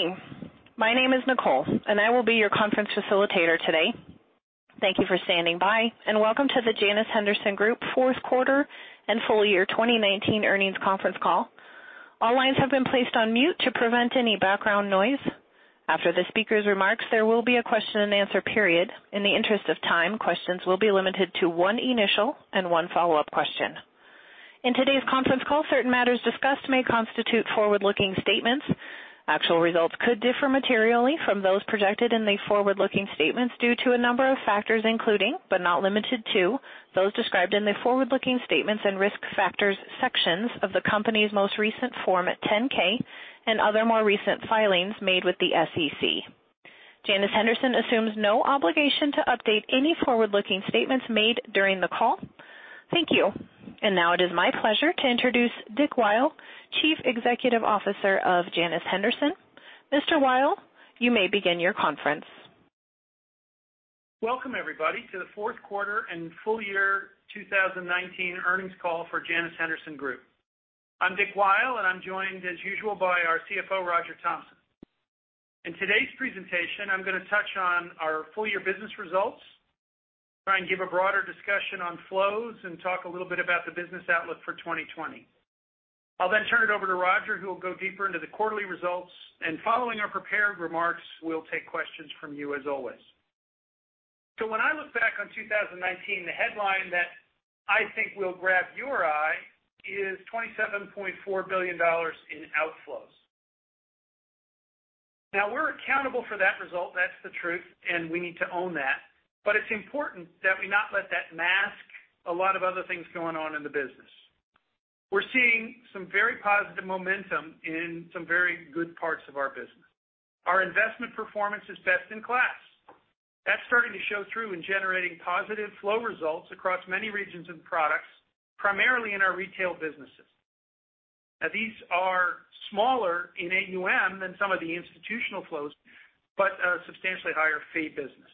Good morning. My name is Nicole, and I will be your conference facilitator today. Thank you for standing by, and welcome to the Janus Henderson Group fourth quarter and full year 2019 earnings conference call. All lines have been placed on mute to prevent any background noise. After the speaker's remarks, there will be a question-and-answer period. In the interest of time, questions will be limited to one initial and one follow-up question. In today's conference call, certain matters discussed may constitute forward-looking statements. Actual results could differ materially from those projected in the forward-looking statements due to a number of factors, including, but not limited to, those described in the forward-looking statements and risk factors sections of the company's most recent Form 10-K and other more recent filings made with the SEC. Janus Henderson assumes no obligation to update any forward-looking statements made during the call. Thank you. Now it is my pleasure to introduce Dick Weil, Chief Executive Officer of Janus Henderson. Mr. Weil, you may begin your conference. Welcome, everybody, to the fourth quarter and full year 2019 earnings call for Janus Henderson Group. I'm Dick Weil, I'm joined as usual by our CFO, Roger Thompson. In today's presentation, I'm going to touch on our full-year business results, try and give a broader discussion on flows, and talk a little bit about the business outlook for 2020. I'll turn it over to Roger, who will go deeper into the quarterly results. Following our prepared remarks, we'll take questions from you, as always. When I look back on 2019, the headline that I think will grab your eye is $27.4 billion in outflows. Now, we're accountable for that result. That's the truth, we need to own that. It's important that we not let that mask a lot of other things going on in the business. We're seeing some very positive momentum in some very good parts of our business. Our investment performance is best in class. That's starting to show through in generating positive flow results across many regions and products, primarily in our retail businesses. These are smaller in AUM than some of the institutional flows, but a substantially higher fee business.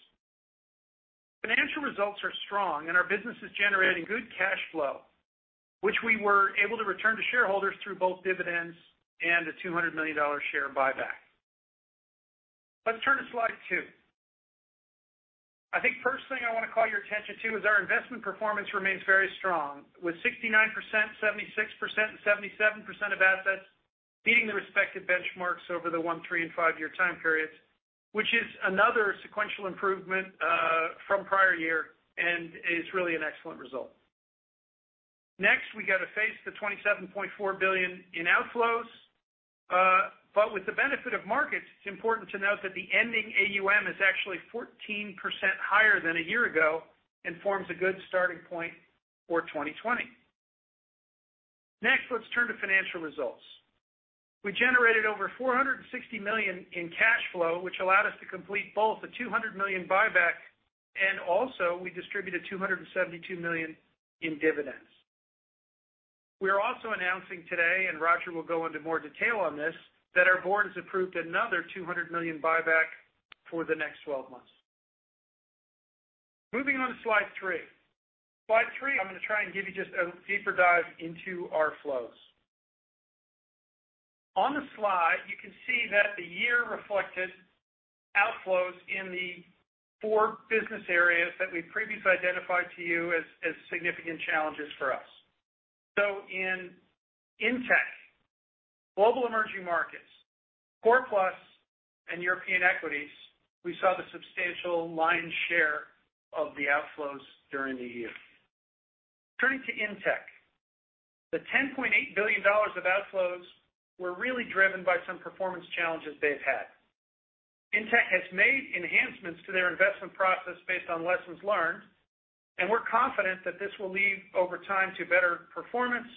Financial results are strong, and our business is generating good cash flow, which we were able to return to shareholders through both dividends and a $200 million share buyback. Let's turn to slide two. First thing I want to call your attention to is our investment performance remains very strong, with 69%, 76%, and 77% of assets beating their respective benchmarks over the one, three, and five-year time periods, which is another sequential improvement from prior year and is really an excellent result. Next, we got to face the $27.4 billion in outflows. With the benefit of markets, it's important to note that the ending AUM is actually 14% higher than a year ago and forms a good starting point for 2020. Next, let's turn to financial results. We generated over $460 million in cash flow, which allowed us to complete both the $200 million buyback. Also we distributed $272 million in dividends. We are also announcing today, and Roger will go into more detail on this, that our board has approved another $200 million buyback for the next 12 months. Moving on to slide three. Slide three, I'm going to try and give you just a deeper dive into our flows. On the slide, you can see that the year reflected outflows in the four business areas that we previously identified to you as significant challenges for us. In Intech, Global Emerging Markets, Core Plus, and European Equities, we saw the substantial lion's share of the outflows during the year. Turning to Intech, the $10.8 billion of outflows were really driven by some performance challenges they've had. Intech has made enhancements to their investment process based on lessons learned, and we're confident that this will lead over time to better performance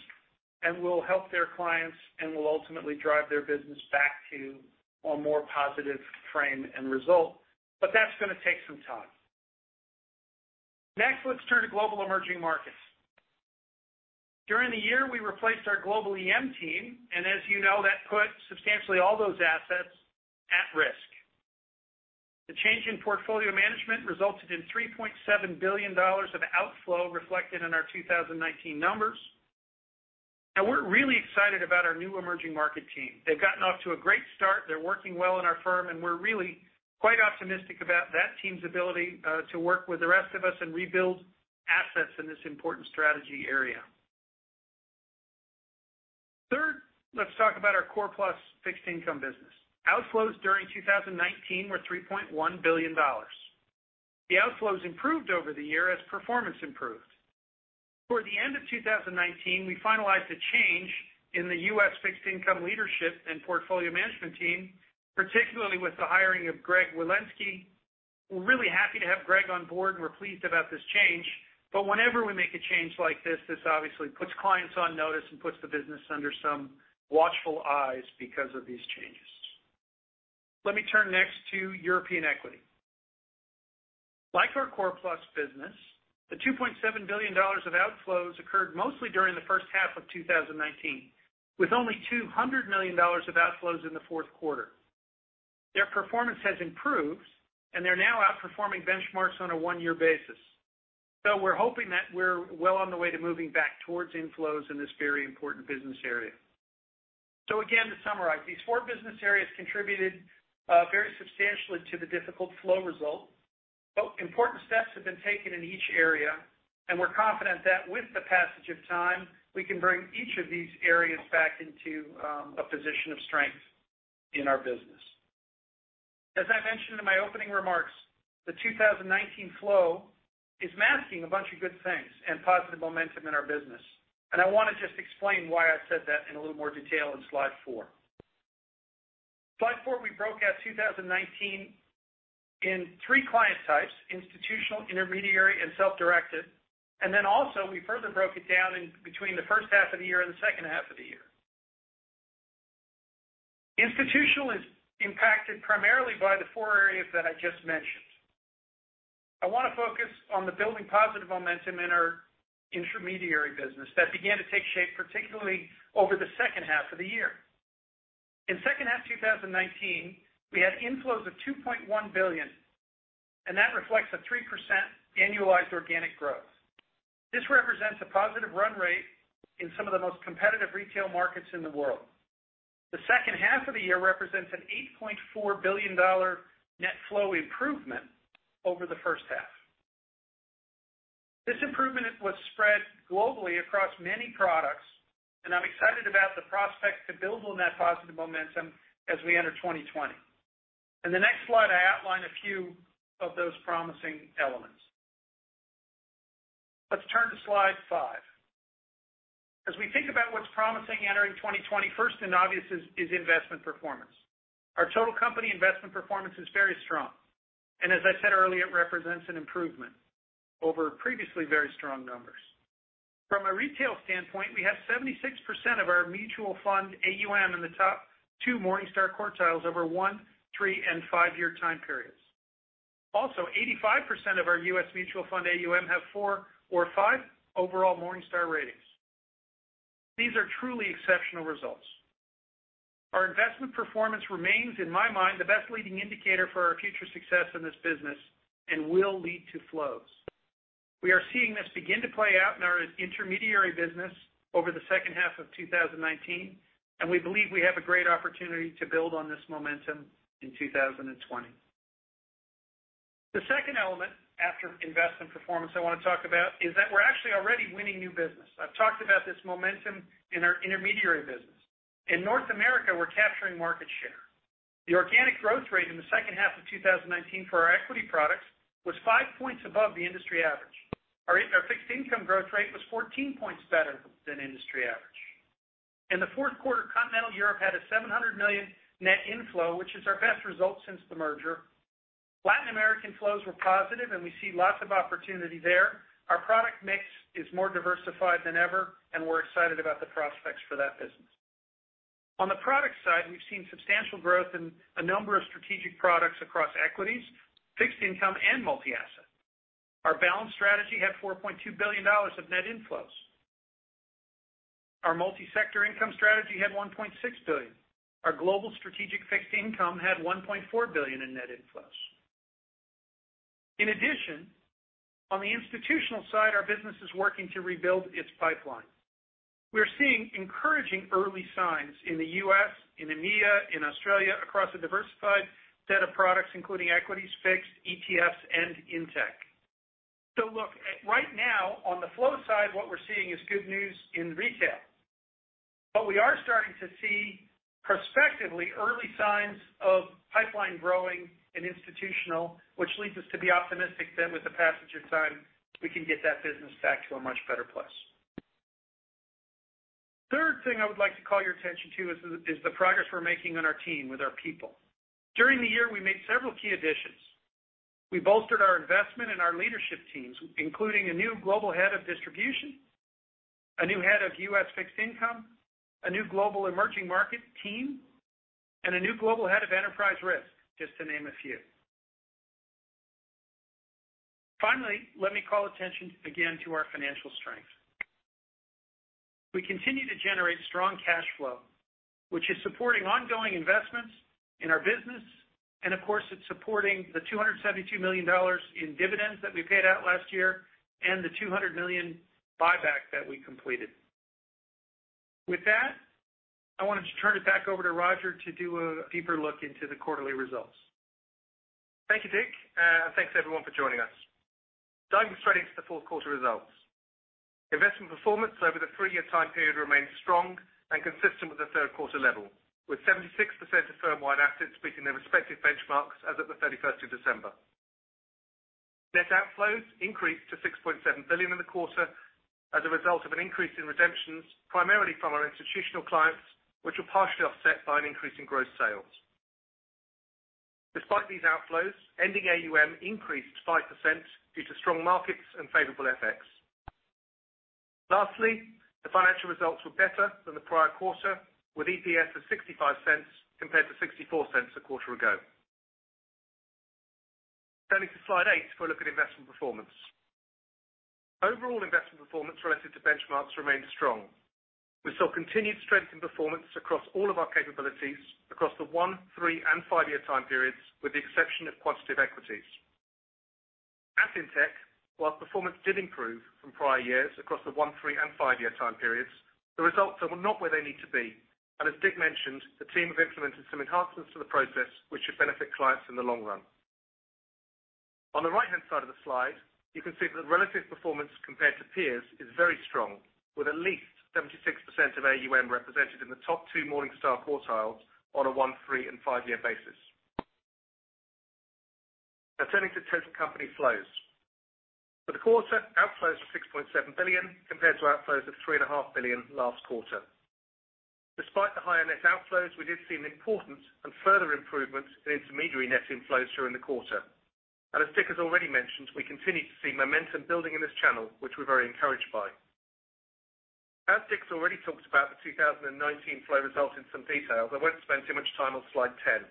and will help their clients and will ultimately drive their business back to a more positive frame and result. That's going to take some time. Next, let's turn to Global Emerging Markets. During the year, we replaced our Global EM team. As you know, that put substantially all those assets at risk. The change in portfolio management resulted in $3.7 billion of outflow reflected in our 2019 numbers. We're really excited about our new emerging market team. They've gotten off to a great start. They're working well in our firm, and we're really quite optimistic about that team's ability to work with the rest of us and rebuild assets in this important strategy area. Third, let's talk about our Core Plus fixed income business. Outflows during 2019 were $3.1 billion. The outflows improved over the year as performance improved. Toward the end of 2019, we finalized a change in the U.S. fixed income leadership and portfolio management team, particularly with the hiring of Greg Wilensky. We're really happy to have Greg on board, and we're pleased about this change. Whenever we make a change like this obviously puts clients on notice and puts the business under some watchful eyes because of these changes. Let me turn next to European Equity. Like our Core Plus business, the $2.7 billion of outflows occurred mostly during the first half of 2019, with only $200 million of outflows in the fourth quarter. Their performance has improved, and they're now outperforming benchmarks on a one-year basis. We're hoping that we're well on the way to moving back towards inflows in this very important business area. Again, to summarize, these four business areas contributed very substantially to the difficult flow result. Important steps have been taken in each area, and we're confident that with the passage of time, we can bring each of these areas back into a position of strength in our business. As I mentioned in my opening remarks, the 2019 flow is masking a bunch of good things and positive momentum in our business. I want to just explain why I said that in a little more detail in slide four. Slide four, we broke out 2019 in three client types, institutional, intermediary, and self-directed. Then also we further broke it down in between the first half of the year and the second half of the year. Institutional is impacted primarily by the four areas that I just mentioned. I want to focus on the building positive momentum in our intermediary business that began to take shape, particularly over the second half of the year. In second half 2019, we had inflows of $2.1 billion, and that reflects a 3% annualized organic growth. This represents a positive run rate in some of the most competitive retail markets in the world. The second half of the year represents an $8.4 billion net flow improvement over the first half. This improvement was spread globally across many products, and I'm excited about the prospect to build on that positive momentum as we enter 2020. In the next slide, I outline a few of those promising elements. Let's turn to slide five. As we think about what's promising entering 2020, first and obvious is investment performance. Our total company investment performance is very strong, and as I said earlier, it represents an improvement over previously very strong numbers. From a retail standpoint, we have 76% of our mutual fund AUM in the top two Morningstar quartiles over one, three and five-year time periods. Also, 85% of our U.S. mutual fund AUM have four or five overall Morningstar ratings. These are truly exceptional results. Our investment performance remains, in my mind, the best leading indicator for our future success in this business and will lead to flows. We are seeing this begin to play out in our intermediary business over the second half of 2019. We believe we have a great opportunity to build on this momentum in 2020. The second element after investment performance I want to talk about is that we're actually already winning new business. I've talked about this momentum in our intermediary business. In North America, we're capturing market share. The organic growth rate in the second half of 2019 for our equity products was five points above the industry average. Our fixed income growth rate was 14 points better than industry average. In the fourth quarter, Continental Europe had a $700 million net inflow, which is our best result since the merger. Latin American flows were positive. We see lots of opportunity there. Our product mix is more diversified than ever. We're excited about the prospects for that business. On the product side, we've seen substantial growth in a number of strategic products across equities, fixed income, and multi-asset. Our Balanced Strategy had $4.2 billion of net inflows. Our Multi-Sector Income strategy had $1.6 billion. Our Global Strategic Fixed Income had $1.4 billion in net inflows. In addition, on the institutional side, our business is working to rebuild its pipeline. We're seeing encouraging early signs in the U.S., in EMEA, in Australia, across a diversified set of products, including equities, fixed, ETFs, and Intech. Right now on the flow side, what we're seeing is good news in retail. We are starting to see perspectively early signs of pipeline growing in institutional, which leads us to be optimistic that with the passage of time, we can get that business back to a much better place. Third thing I would like to call your attention to is the progress we're making on our team with our people. During the year, we made several key additions. We bolstered our investment in our leadership teams, including a new Global Head of Distribution, a new Head of U.S. Fixed Income, a new Global Emerging Markets team, and a new Global Head of Enterprise Risk, just to name a few. Finally, let me call attention again to our financial strength. We continue to generate strong cash flow, which is supporting ongoing investments in our business. Of course, it's supporting the $272 million in dividends that we paid out last year and the $200 million buyback that we completed. With that, I wanted to turn it back over to Roger to do a deeper look into the quarterly results. Thank you, Dick. Thanks everyone for joining us. Diving straight into the fourth quarter results. Investment performance over the three-year time period remained strong and consistent with the third quarter level, with 76% of firm-wide assets beating their respective benchmarks as of the 31st of December. Net outflows increased to $6.7 billion in the quarter as a result of an increase in redemptions, primarily from our institutional clients, which were partially offset by an increase in gross sales. Despite these outflows, ending AUM increased 5% due to strong markets and favorable FX. Lastly, the financial results were better than the prior quarter, with EPS of $0.65 compared to $0.64 a quarter ago. Turning to slide eight for a look at investment performance. Overall investment performance relative to benchmarks remained strong. We saw continued strength in performance across all of our capabilities, across the one, three, and five-year time periods, with the exception of quantitative equities. At Intech, whilst performance did improve from prior years across the one, three, and five-year time periods, the results are not where they need to be. As Dick mentioned, the team have implemented some enhancements to the process, which should benefit clients in the long run. On the right-hand side of the slide, you can see that the relative performance compared to peers is very strong, with at least 76% of AUM represented in the top two Morningstar quartiles on a one, three, and five-year basis. Turning to total company flows. For the quarter, outflows were $6.7 billion, compared to outflows of $3.5 billion last quarter. Despite the higher net outflows, we did see an important and further improvement in intermediary net inflows during the quarter. As Dick has already mentioned, we continue to see momentum building in this channel, which we're very encouraged by. Dick's already talked about the 2019 flow results in some detail, I won't spend too much time on slide 10.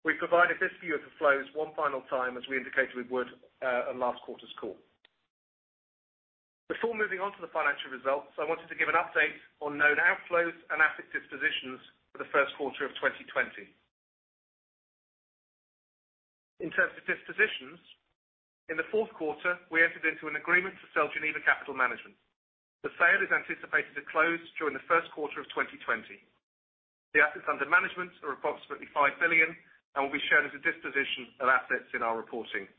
We provided this view of the flows one final time, as we indicated we would on last quarter's call. Before moving on to the financial results, I wanted to give an update on known outflows and asset dispositions for the first quarter of 2020. In terms of dispositions, in the fourth quarter, we entered into an agreement to sell Geneva Capital Management. The sale is anticipated to close during the first quarter of 2020. The assets under management are approximately $5 billion and will be shown as a disposition of assets in our reporting.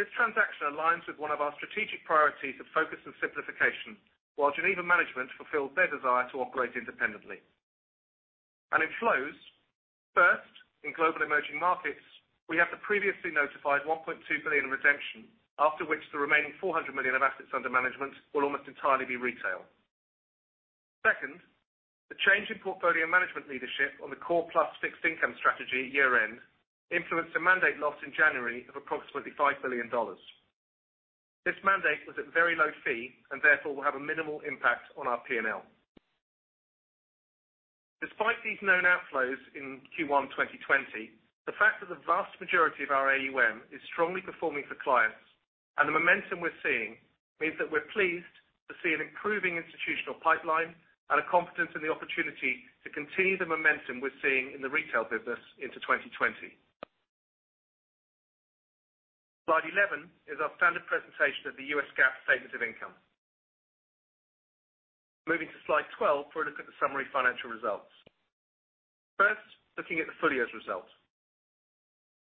This transaction aligns with one of our strategic priorities of focus and simplification, while Geneva Capital Management fulfills their desire to operate independently. In flows, first, in Global Emerging Markets, we have the previously notified $1.2 billion redemption, after which the remaining $400 million of assets under management will almost entirely be retail. Second, the change in portfolio management leadership on the Core Plus Fixed Income strategy at year-end influenced a mandate loss in January of approximately $5 billion. This mandate was at very low fee and therefore will have a minimal impact on our P&L. Despite these known outflows in Q1 2020, the fact that the vast majority of our AUM is strongly performing for clients and the momentum we're seeing means that we're pleased to see an improving institutional pipeline and a confidence in the opportunity to continue the momentum we're seeing in the retail business into 2020. Slide 11 is our standard presentation of the US GAAP statement of income. Moving to slide 12 for a look at the summary financial results. First, looking at the full year's results.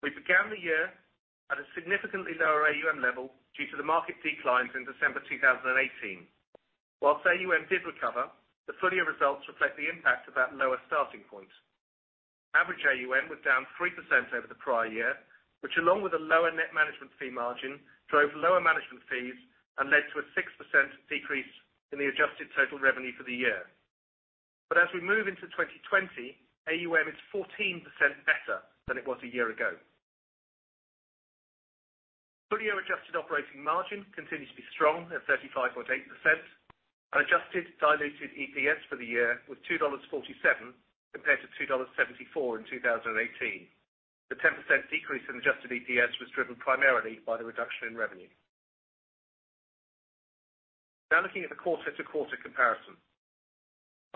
We began the year at a significantly lower AUM level due to the market declines in December 2018. While AUM did recover, the full-year results reflect the impact of that lower starting point. Average AUM was down 3% over the prior year, which along with a lower net management fee margin, drove lower management fees and led to a 6% decrease in the adjusted total revenue for the year. As we move into 2020, AUM is 14% better than it was a year ago. Full year adjusted operating margin continued to be strong at 35.8%, and adjusted diluted EPS for the year was $2.47 compared to $2.74 in 2018. The 10% decrease in adjusted EPS was driven primarily by the reduction in revenue. Now looking at the quarter to quarter comparison.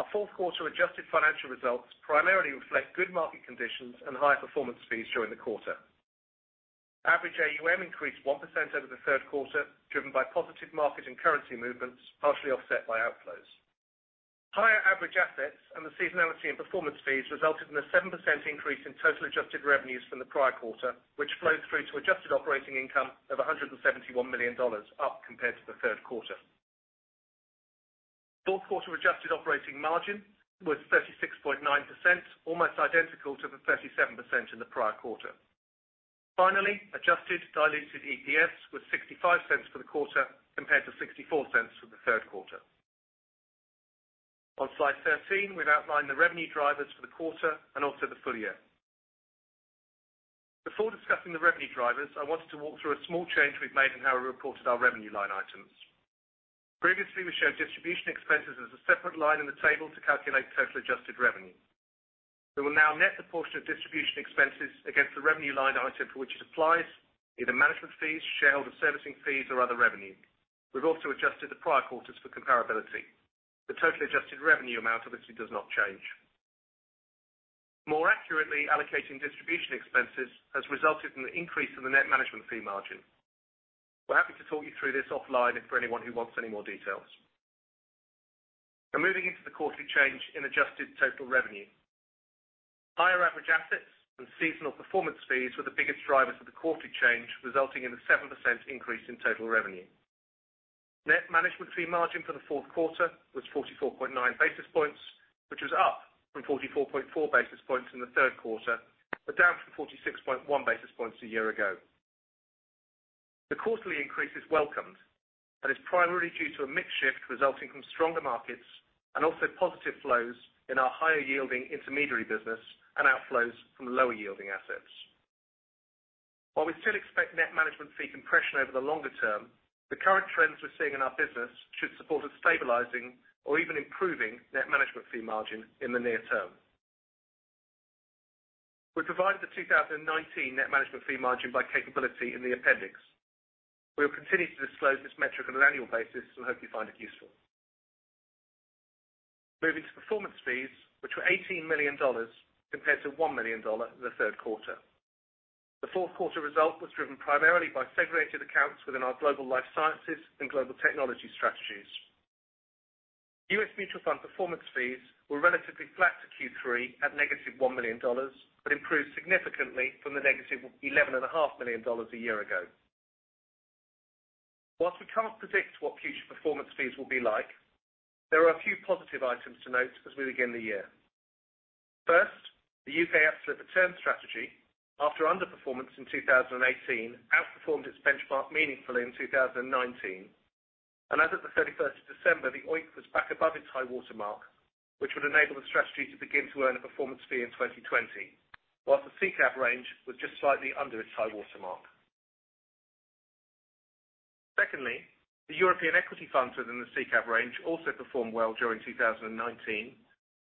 Our fourth quarter adjusted financial results primarily reflect good market conditions and higher performance fees during the quarter. Average AUM increased 1% over the third quarter, driven by positive market and currency movements, partially offset by outflows. Higher average assets and the seasonality in performance fees resulted in a 7% increase in total adjusted revenues from the prior quarter, which flows through to adjusted operating income of $171 million, up compared to the third quarter. Fourth quarter adjusted operating margin was 36.9%, almost identical to the 37% in the prior quarter. Finally, adjusted diluted EPS was $0.65 for the quarter, compared to $0.64 for the third quarter. On slide 13, we've outlined the revenue drivers for the quarter and also the full year. Before discussing the revenue drivers, I wanted to walk through a small change we've made in how we reported our revenue line items. Previously, we showed distribution expenses as a separate line in the table to calculate total adjusted revenue. We will now net the portion of distribution expenses against the revenue line item for which it applies, either management fees, shareholder servicing fees, or other revenue. We've also adjusted the prior quarters for comparability. The total adjusted revenue amount obviously does not change. More accurately allocating distribution expenses has resulted in the increase in the net management fee margin. We're happy to talk you through this offline for anyone who wants any more details. Now moving into the quarterly change in adjusted total revenue. Higher average assets and seasonal performance fees were the biggest drivers of the quarterly change, resulting in a 7% increase in total revenue. Net management fee margin for the fourth quarter was 44.9 basis points, which was up from 44.4 basis points in the third quarter, but down from 46.1 basis points a year ago. The quarterly increase is welcomed and is primarily due to a mix shift resulting from stronger markets and also positive flows in our higher yielding intermediary business and outflows from lower yielding assets. While we still expect net management fee compression over the longer term, the current trends we're seeing in our business should support a stabilizing or even improving net management fee margin in the near term. We provided the 2019 net management fee margin by capability in the appendix. We will continue to disclose this metric on an annual basis and hope you find it useful. Moving to performance fees, which were $18 million compared to $1 million in the third quarter. The fourth quarter result was driven primarily by segregated accounts within our Global Life Sciences and Global Technology strategies. U.S. mutual fund performance fees were relatively flat to Q3 at -$1 million, improved significantly from the -$11.5 million a year ago. While we can't predict what future performance fees will be like, there are a few positive items to note as we begin the year. First, the U.K. Absolute Return strategy, after underperformance in 2018, outperformed its benchmark meaningfully in 2019. As of the 31st of December, the OIF was back above its high-water mark, which would enable the strategy to begin to earn a performance fee in 2020, while the CCAP range was just slightly under its high-water mark. Secondly, the European equity funds within the CCAP range also performed well during 2019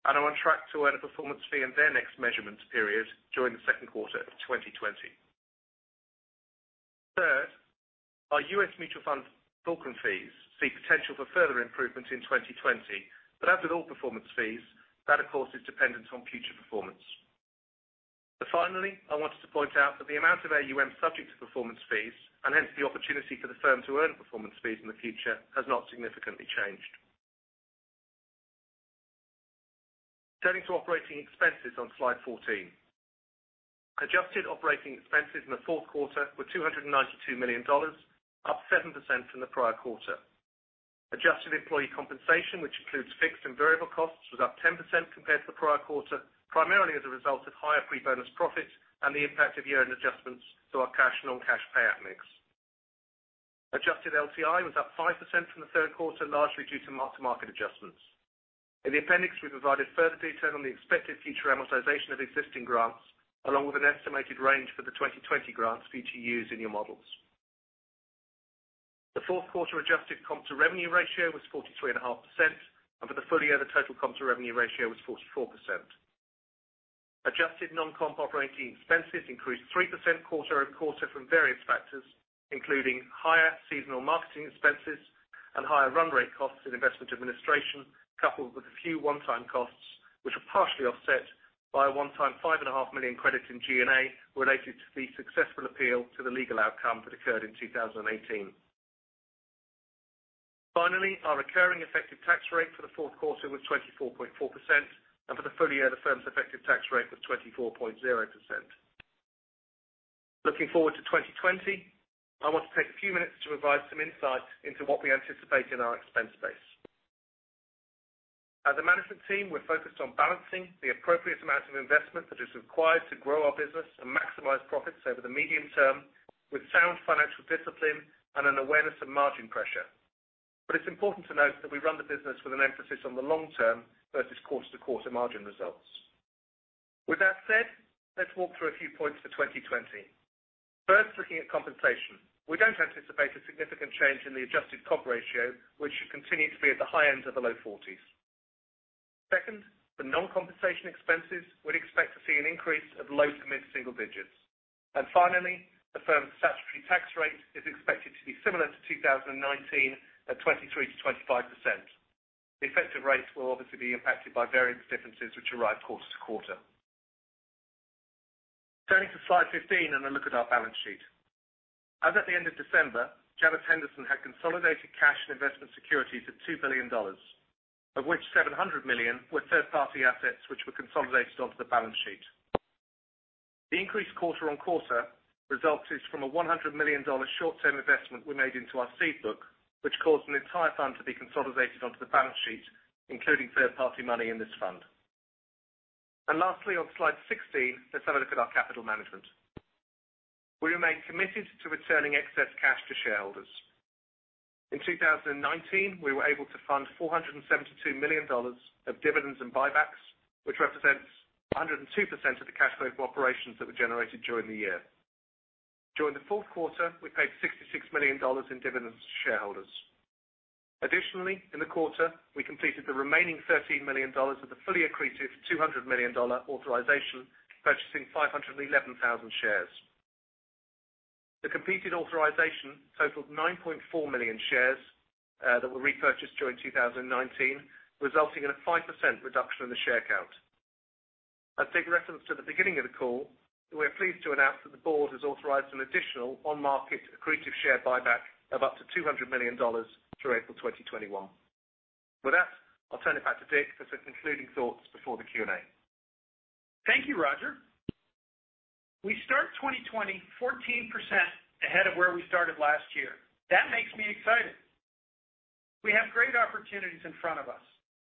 and are on track to earn a performance fee in their next measurement period during the second quarter of 2020. Third, our U.S. mutual fund fulcrum fees see potential for further improvements in 2020. As with all performance fees, that of course is dependent on future performance. Finally, I wanted to point out that the amount of AUM subject to performance fees, and hence the opportunity for the firm to earn performance fees in the future, has not significantly changed. Turning to operating expenses on slide 14. Adjusted operating expenses in the fourth quarter were $292 million, up 7% from the prior quarter. Adjusted employee compensation, which includes fixed and variable costs, was up 10% compared to the prior quarter, primarily as a result of higher pre-bonus profits and the impact of year-end adjustments to our cash and non-cash payout mix. Adjusted LTI was up 5% from the third quarter, largely due to mark-to-market adjustments. In the appendix, we provided further detail on the expected future amortization of existing grants, along with an estimated range for the 2020 grants for you to use in your models. The fourth quarter adjusted comp to revenue ratio was 43.5%, and for the full year, the total comp to revenue ratio was 44%. Adjusted non-comp operating expenses increased 3% quarter-over-quarter from various factors, including higher seasonal marketing expenses and higher run rate costs in investment administration, coupled with a few one-time costs, which were partially offset by a one-time five and a half million credit in G&A related to the successful appeal to the legal outcome that occurred in 2018. Finally, our recurring effective tax rate for the fourth quarter was 24.4%, and for the full year, the firm's effective tax rate was 24.0%. Looking forward to 2020, I want to take a few minutes to provide some insight into what we anticipate in our expense base. As a management team, we're focused on balancing the appropriate amount of investment that is required to grow our business and maximize profits over the medium term with sound financial discipline and an awareness of margin pressure. It's important to note that we run the business with an emphasis on the long term versus quarter-to-quarter margin results. With that said, let's walk through a few points for 2020. First, looking at compensation. We don't anticipate a significant change in the adjusted comp ratio, which should continue to be at the high end of the low 40s. Second, for non-compensation expenses, we'd expect to see an increase of low to mid single digits. Finally, the firm's statutory tax rate is expected to be similar to 2019 at 23%-25%. The effective rates will obviously be impacted by various differences which arrive quarter-on-quarter. Turning to slide 15 and a look at our balance sheet. As at the end of December, Janus Henderson had consolidated cash and investment securities of $2 billion, of which $700 million were third-party assets which were consolidated onto the balance sheet. The increase quarter-on-quarter resulted from a $100 million short-term investment we made into our seed book, which caused an entire fund to be consolidated onto the balance sheet, including third-party money in this fund. Lastly, on slide 16, let's have a look at our capital management. We remain committed to returning excess cash to shareholders. In 2019, we were able to fund $472 million of dividends and buybacks, which represents 102% of the cash flow from operations that were generated during the year. During the fourth quarter, we paid $66 million in dividends to shareholders. Additionally, in the quarter, we completed the remaining $13 million of the fully accretive $200 million authorization, purchasing 511,000 shares. The completed authorization totaled 9.4 million shares that were repurchased during 2019, resulting in a 5% reduction in the share count. I'd take reference to the beginning of the call, we are pleased to announce that the board has authorized an additional on-market accretive share buyback of up to $200 million through April 2021. With that, I'll turn it back to Dick for some concluding thoughts before the Q&A. Thank you, Roger. We start 2020 14% ahead of where we started last year. That makes me excited. We have great opportunities in front of us.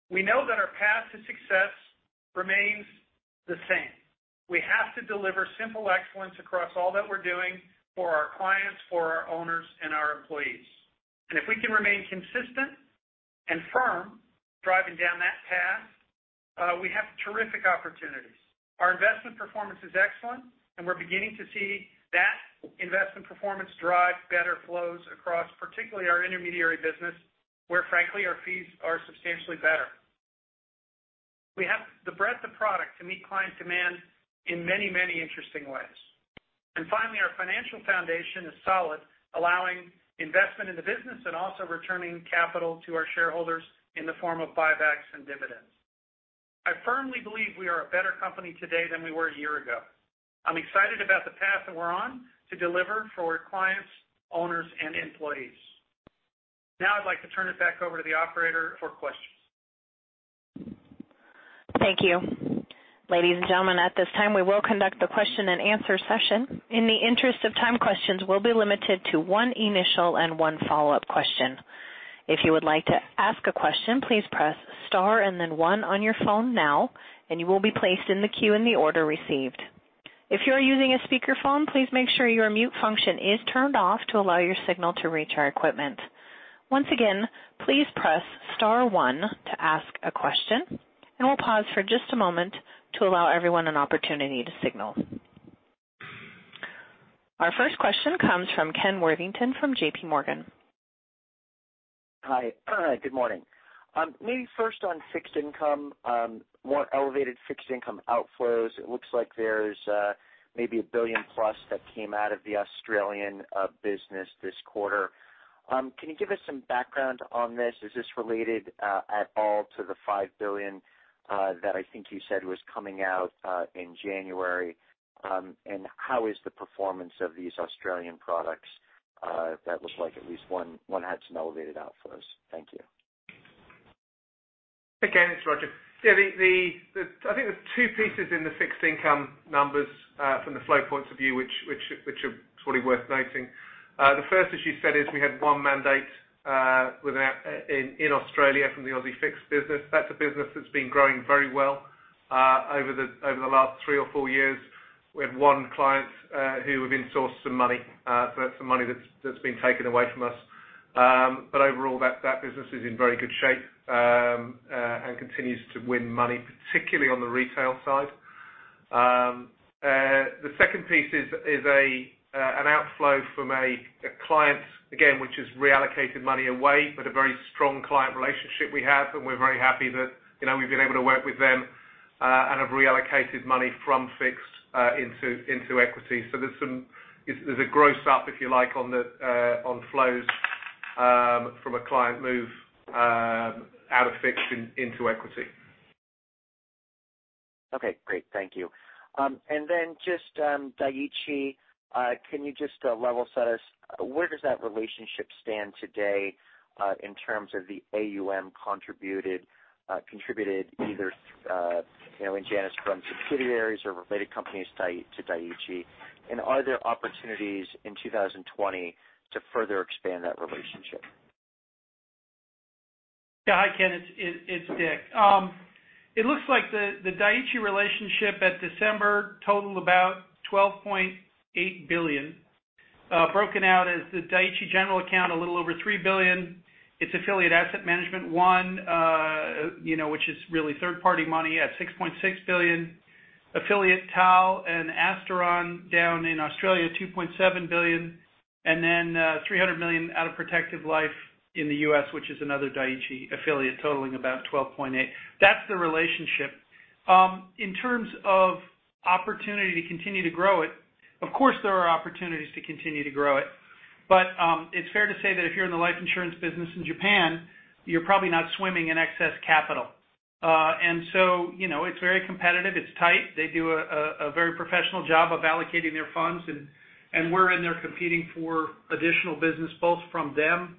We know that our path to success remains the same. We have to deliver Simple Excellence across all that we're doing for our clients, for our owners and our employees. If we can remain consistent and firm driving down that path, we have terrific opportunities. Our investment performance is excellent. We're beginning to see that investment performance drive better flows across particularly our intermediary business, where frankly, our fees are substantially better. We have the breadth of product to meet client demand in many interesting ways. Finally, our financial foundation is solid, allowing investment in the business and also returning capital to our shareholders in the form of buybacks and dividends. I firmly believe we are a better company today than we were a year ago. I'm excited about the path that we're on to deliver for our clients, owners, and employees. I'd like to turn it back over to the operator for questions. Thank you. Ladies and gentlemen, at this time, we will conduct the question-and-answer session. In the interest of time, questions will be limited to one initial and one follow-up question. If you would like to ask a question, please press star and then one on your phone now, and you will be placed in the queue in the order received. If you are using a speakerphone, please make sure your mute function is turned off to allow your signal to reach our equipment. Once again, please press star one to ask a question. We'll pause for just a moment to allow everyone an opportunity to signal. Our first question comes from Ken Worthington from J.P. Morgan. Hi. Good morning. Maybe first on fixed income, more elevated fixed income outflows. It looks like there's maybe $1 billion plus that came out of the Australian business this quarter. Can you give us some background on this? Is this related at all to the $5 billion that I think you said was coming out in January? How is the performance of these Australian products? That looks like at least one had some elevated outflows. Thank you. Hey, Ken, it's Roger. I think there's two pieces in the fixed income numbers from the flow points of view which are probably worth noting. The first, as you said, is we had one mandate in Australia from the Aussie fixed business. That's a business that's been growing very well over the last three or four years. We had one client who we've insourced some money. That's the money that's been taken away from us. Overall, that business is in very good shape and continues to win money, particularly on the retail side. The second piece is an outflow from a client, again, which has reallocated money away, but a very strong client relationship we have, and we're very happy that we've been able to work with them and have reallocated money from fixed into equity. There's a gross up, if you like, on flows from a client move out of fixed into equity. Okay, great. Thank you. Then just Dai-ichi, can you just level set us, where does that relationship stand today in terms of the AUM contributed either in Janus Henderson from subsidiaries or related companies to Dai-ichi? And are there opportunities in 2020 to further expand that relationship? Yeah. Hi, Ken. It's Dick. It looks like the Dai-ichi relationship at December totaled about $12.8 billion. Broken out as the Dai-ichi general account, a little over $3 billion. Its affiliate Asset Management One, which is really third-party money at $6.6 billion. Affiliate TAL and Asteron Life down in Australia, $2.7 billion, and then $300 million out of Protective Life in the U.S., which is another Dai-ichi affiliate totaling about $12.8. That's the relationship. In terms of opportunity to continue to grow it, of course, there are opportunities to continue to grow it. It's fair to say that if you're in the life insurance business in Japan, you're probably not swimming in excess capital. It's very competitive. It's tight. They do a very professional job of allocating their funds, and we're in there competing for additional business, both from them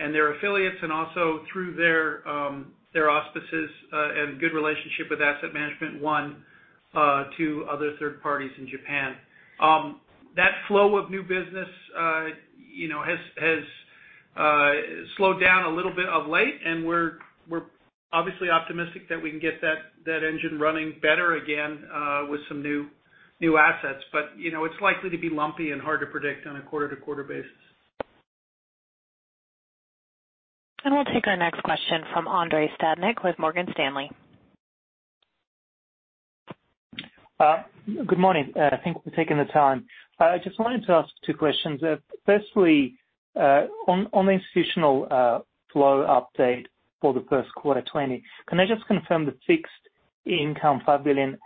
and their affiliates, and also through their auspices and good relationship with Asset Management One to other third parties in Japan. That flow of new business has slowed down a little bit of late, and we're obviously optimistic that we can get that engine running better again with some new assets. It's likely to be lumpy and hard to predict on a quarter-to-quarter basis. We'll take our next question from Andrei Stadnik with Morgan Stanley. Good morning. Thank you for taking the time. I just wanted to ask two questions. Firstly, on the institutional flow update for the first quarter 2020, can I just confirm the fixed income $5 billion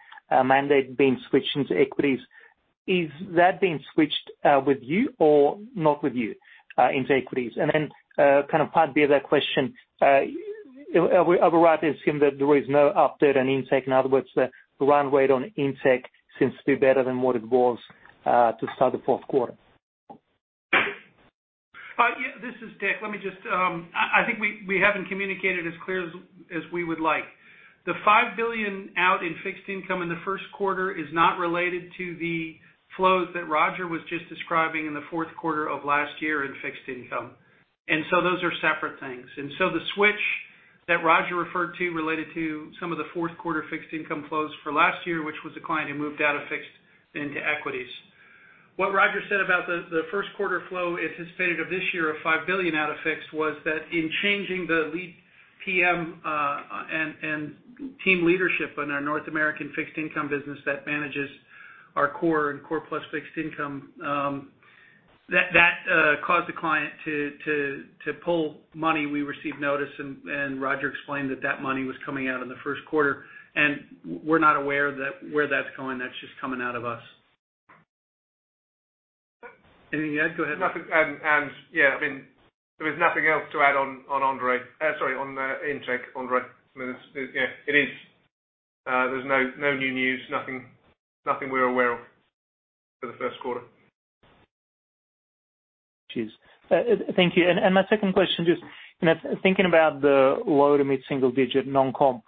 mandate being switched into equities? Is that being switched with you or not with you into equities? Kind of part B of that question, are we right in assuming that there is no update on Intech? In other words, the run rate on Intech seems to be better than what it was to start the fourth quarter. This is Dick. I think we haven't communicated as clear as we would like. The $5 billion out in fixed income in the first quarter is not related to the flows that Roger was just describing in the fourth quarter of last year in fixed income. Those are separate things. The switch that Roger referred to related to some of the fourth quarter fixed income flows for last year, which was a client who moved out of fixed into equity. What Roger said about the first quarter flow anticipated of this year of $5 billion out of fixed was that in changing the lead PM and team leadership in our North American fixed income business that manages our core and Core Plus fixed income, that caused the client to pull money. We received notice, and Roger explained that that money was coming out in the first quarter, and we're not aware of where that's going. That's just coming out of us. Anything to add? Go ahead. Nothing. There is nothing else to add on Intech, Andrei. There's no new news. Nothing we're aware of for the first quarter. Cheers. Thank you. My second question, just thinking about the low- to mid-single digit non-comp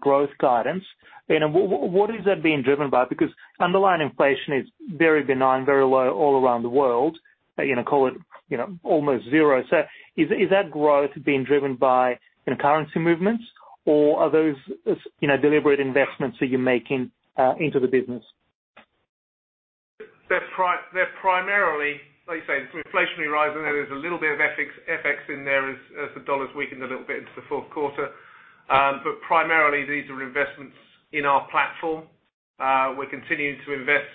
growth guidance, what is that being driven by? Underlying inflation is very benign, very low all around the world, call it almost zero. Is that growth being driven by currency movements or are those deliberate investments that you're making into the business? They're primarily, like you say, it's inflationary rising. There is a little bit of FX in there as the dollar's weakened a little bit into the fourth quarter. Primarily these are investments in our platform. We're continuing to invest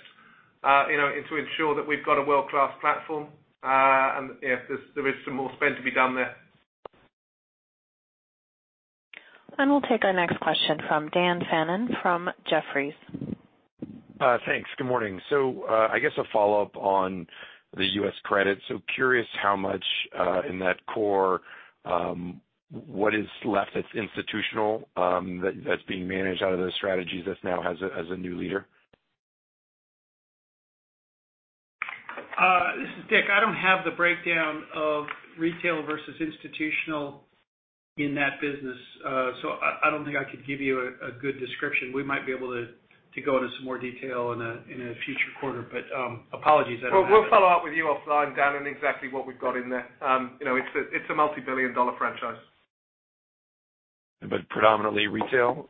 to ensure that we've got a world-class platform. There is some more spend to be done there. We'll take our next question from Daniel Fannon from Jefferies. Thanks. Good morning. I guess a follow-up on the U.S. credit. Curious how much in that core, what is left that's institutional that's being managed out of those strategies that now has a new leader? This is Dick. I don't have the breakdown of retail versus institutional in that business. I don't think I could give you a good description. We might be able to go into some more detail in a future quarter, apologies I don't have that. We'll follow up with you offline, Dan, on exactly what we've got in there. It's a multi-billion dollar franchise. Predominantly retail?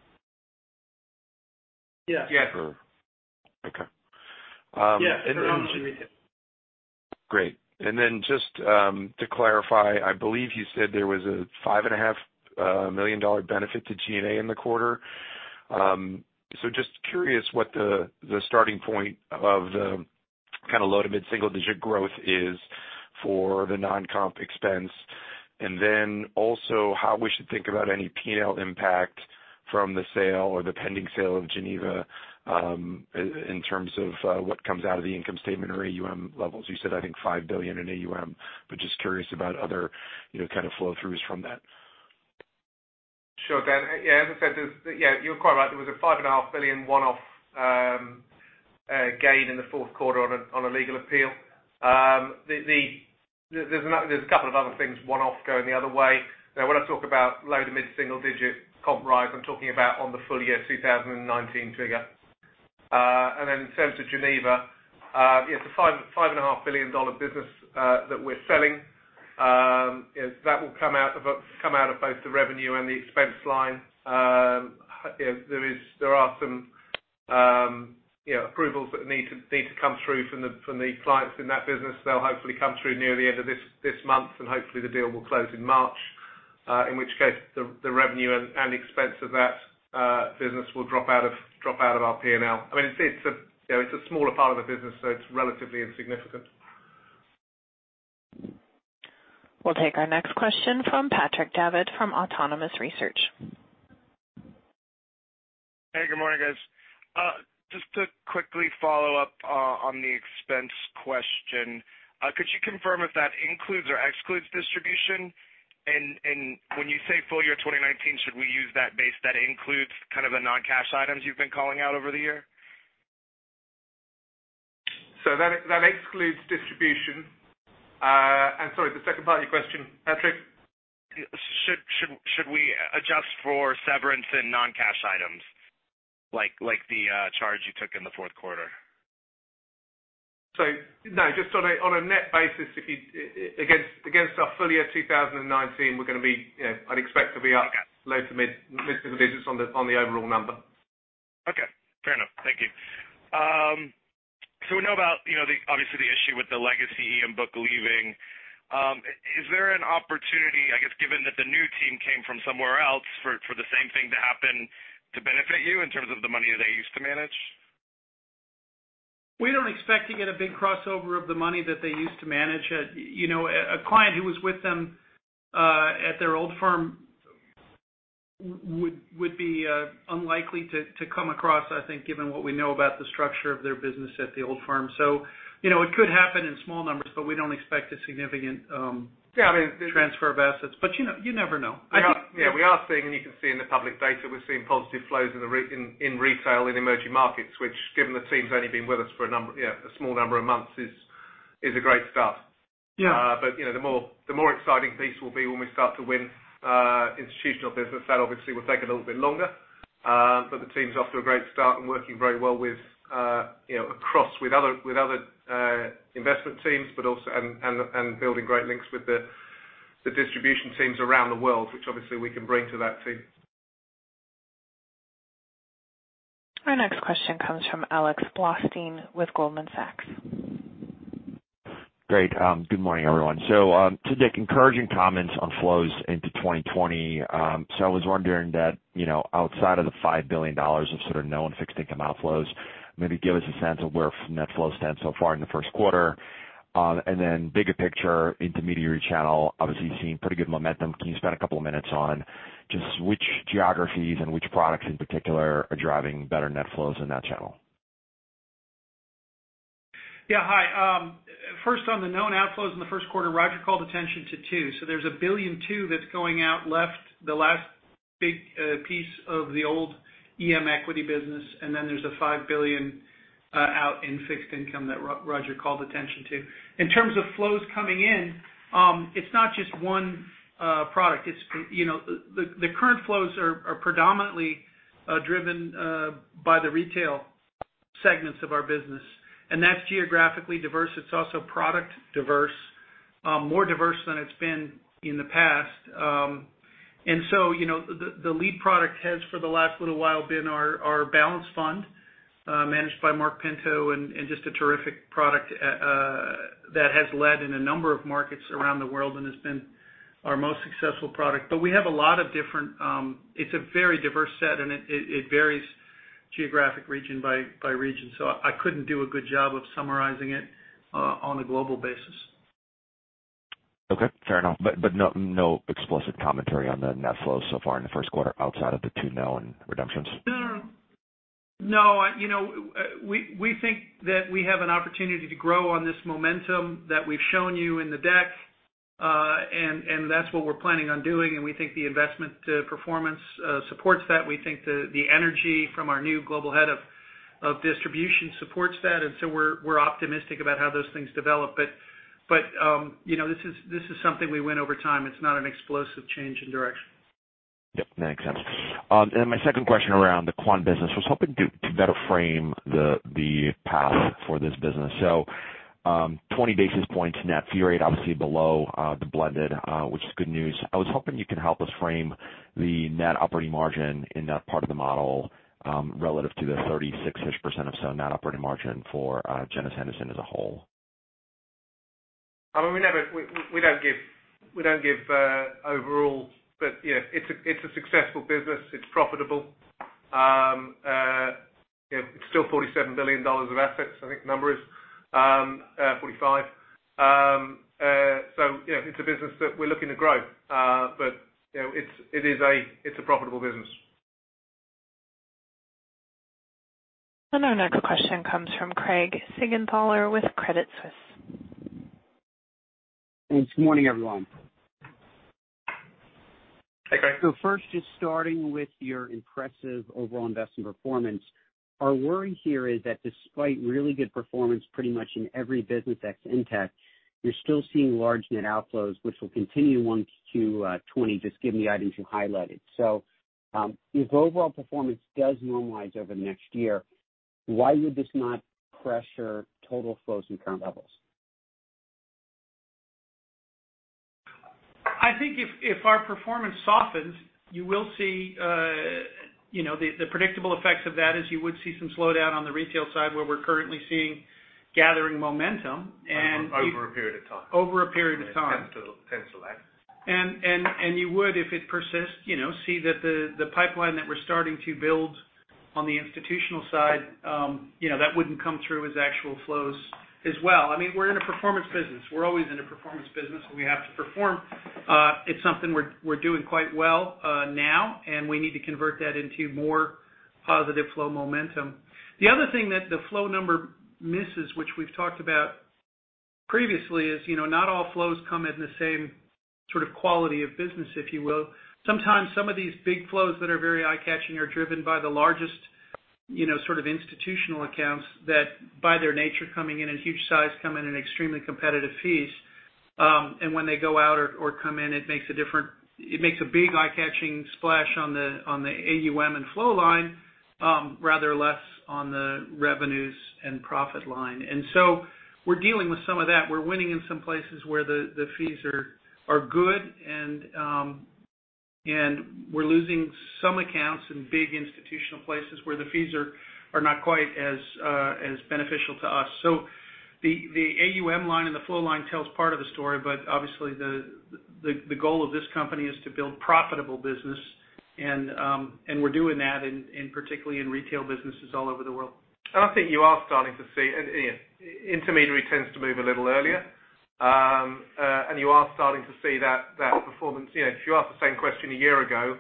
Yes. Yes. Okay. Yes, predominantly retail. Great. Then just to clarify, I believe you said there was a $5.5 million benefit to G&A in the Q4. Just curious what the starting point of the low- to mid-single digit growth is for the non-comp expense, then also how we should think about any P&L impact from the sale or the pending sale of Geneva in terms of what comes out of the income statement or AUM levels. You said, I think $5 billion in AUM, just curious about other kind of flow-throughs from that. Sure, Dan. Yeah, you're quite right. There was a $5.5 billion one-off gain in the fourth quarter on a legal appeal. There's a couple of other things, one-off going the other way. When I talk about low- to mid-single digit comp rise, I'm talking about on the full year 2019 trigger. In terms of Geneva, it's a $5.5 billion business that we're selling. That will come out of both the revenue and the expense line. There are some approvals that need to come through from the clients in that business. They'll hopefully come through near the end of this month, and hopefully the deal will close in March. In which case the revenue and expense of that business will drop out of our P&L. It's a smaller part of the business, so it's relatively insignificant. We'll take our next question from Patrick Davitt from Autonomous Research. Hey, good morning, guys. Just to quickly follow up on the expense question. Could you confirm if that includes or excludes distribution? When you say full year 2019, should we use that base that includes kind of the non-cash items you've been calling out over the year? That excludes distribution. Sorry, the second part of your question, Patrick? Should we adjust for severance and non-cash items like the charge you took in the fourth quarter? No, just on a net basis, against our full year 2019, I'd expect to be up low to mid-single digits on the overall number. Okay. Fair enough. Thank you. We know about obviously the issue with the legacy EM book leaving. Is there an opportunity, I guess, given that the new team came from somewhere else for the same thing to happen to benefit you in terms of the money that they used to manage? We don't expect to get a big crossover of the money that they used to manage. A client who was with them at their old firm would be unlikely to come across, I think, given what we know about the structure of their business at the old firm. It could happen in small numbers, but we don't expect a significant transfer of assets. You never know. Yeah, we are seeing, and you can see in the public data, we're seeing positive flows in retail in emerging markets, which given the team's only been with us for a small number of months is a great start. Yeah. The more exciting piece will be when we start to win institutional business. That obviously will take a little bit longer. The team's off to a great start and working very well across with other investment teams and building great links with the distribution teams around the world, which obviously we can bring to that team. Our next question comes from Alex Blostein with Goldman Sachs. Great. Good morning, everyone. To Dick, encouraging comments on flows into 2020. I was wondering that outside of the $5 billion of sort of known fixed income outflows, maybe give us a sense of where net flows stand so far in the first quarter. Bigger picture intermediary channel, obviously seeing pretty good momentum. Can you spend a couple of minutes on just which geographies and which products in particular are driving better net flows in that channel? Yeah. Hi, first on the known outflows in the first quarter, Roger called attention to two. There's $1.2 billion that's going out left, the last big piece of the old EM equity business, and then there's $5 billion out in fixed income that Roger called attention to. In terms of flows coming in, it's not just one product. The current flows are predominantly driven by the retail segments of our business, that's geographically diverse. It's also product diverse, more diverse than it's been in the past. The lead product has, for the last little while, been our Balanced Fund, managed by Marc Pinto, and just a terrific product that has led in a number of markets around the world and has been our most successful product. It's a very diverse set and it varies geographic region by region. I couldn't do a good job of summarizing it on a global basis. Okay, fair enough. No explicit commentary on the net flow so far in the first quarter outside of the two known redemptions? No. We think that we have an opportunity to grow on this momentum that we've shown you in the deck. That's what we're planning on doing, and we think the investment performance supports that. We think the energy from our new global head of distribution supports that. We're optimistic about how those things develop. This is something we win over time. It's not an explosive change in direction. Yep, that makes sense. My second question around the quant business, I was hoping to better frame the path for this business. 20 basis points net fee rate, obviously below the blended, which is good news. I was hoping you could help us frame the net operating margin in that part of the model, relative to the 36-ish% of net operating margin for Janus Henderson as a whole. We don't give overall. It's a successful business. It's profitable. It's still $47 billion of assets, I think the number is, $45. It's a business that we're looking to grow. It's a profitable business. Our next question comes from Craig Siegenthaler with Credit Suisse. Good morning, everyone. Hi, Craig. First, just starting with your impressive overall investment performance. Our worry here is that despite really good performance pretty much in every business that's intact, you're still seeing large net outflows, which will continue in 1Q 2020, just given the items you highlighted. If overall performance does normalize over the next year, why would this not pressure total flows from current levels? I think if our performance softens, you will see the predictable effects of that as you would see some slowdown on the retail side, where we're currently seeing gathering momentum. Over a period of time. Over a period of time. Tends to lag. You would, if it persists, see that the pipeline that we're starting to build on the institutional side, that wouldn't come through as actual flows as well. We're in a performance business. We're always in a performance business, and we have to perform. It's something we're doing quite well now, and we need to convert that into more positive flow momentum. The other thing that the flow number misses, which we've talked about previously, is not all flows come at the same sort of quality of business, if you will. Sometimes some of these big flows that are very eye-catching are driven by the largest institutional accounts that by their nature coming in huge size, come in extremely competitive fees. When they go out or come in, it makes a big eye-catching splash on the AUM and flow line, rather less on the revenues and profit line. We're dealing with some of that. We're winning in some places where the fees are good and we're losing some accounts in big institutional places where the fees are not quite as beneficial to us. The AUM line and the flow line tells part of the story, but obviously the goal of this company is to build profitable business and we're doing that particularly in retail businesses all over the world. I think you are starting to see, intermediary tends to move a little earlier. You are starting to see that performance. If you asked the same question a year ago,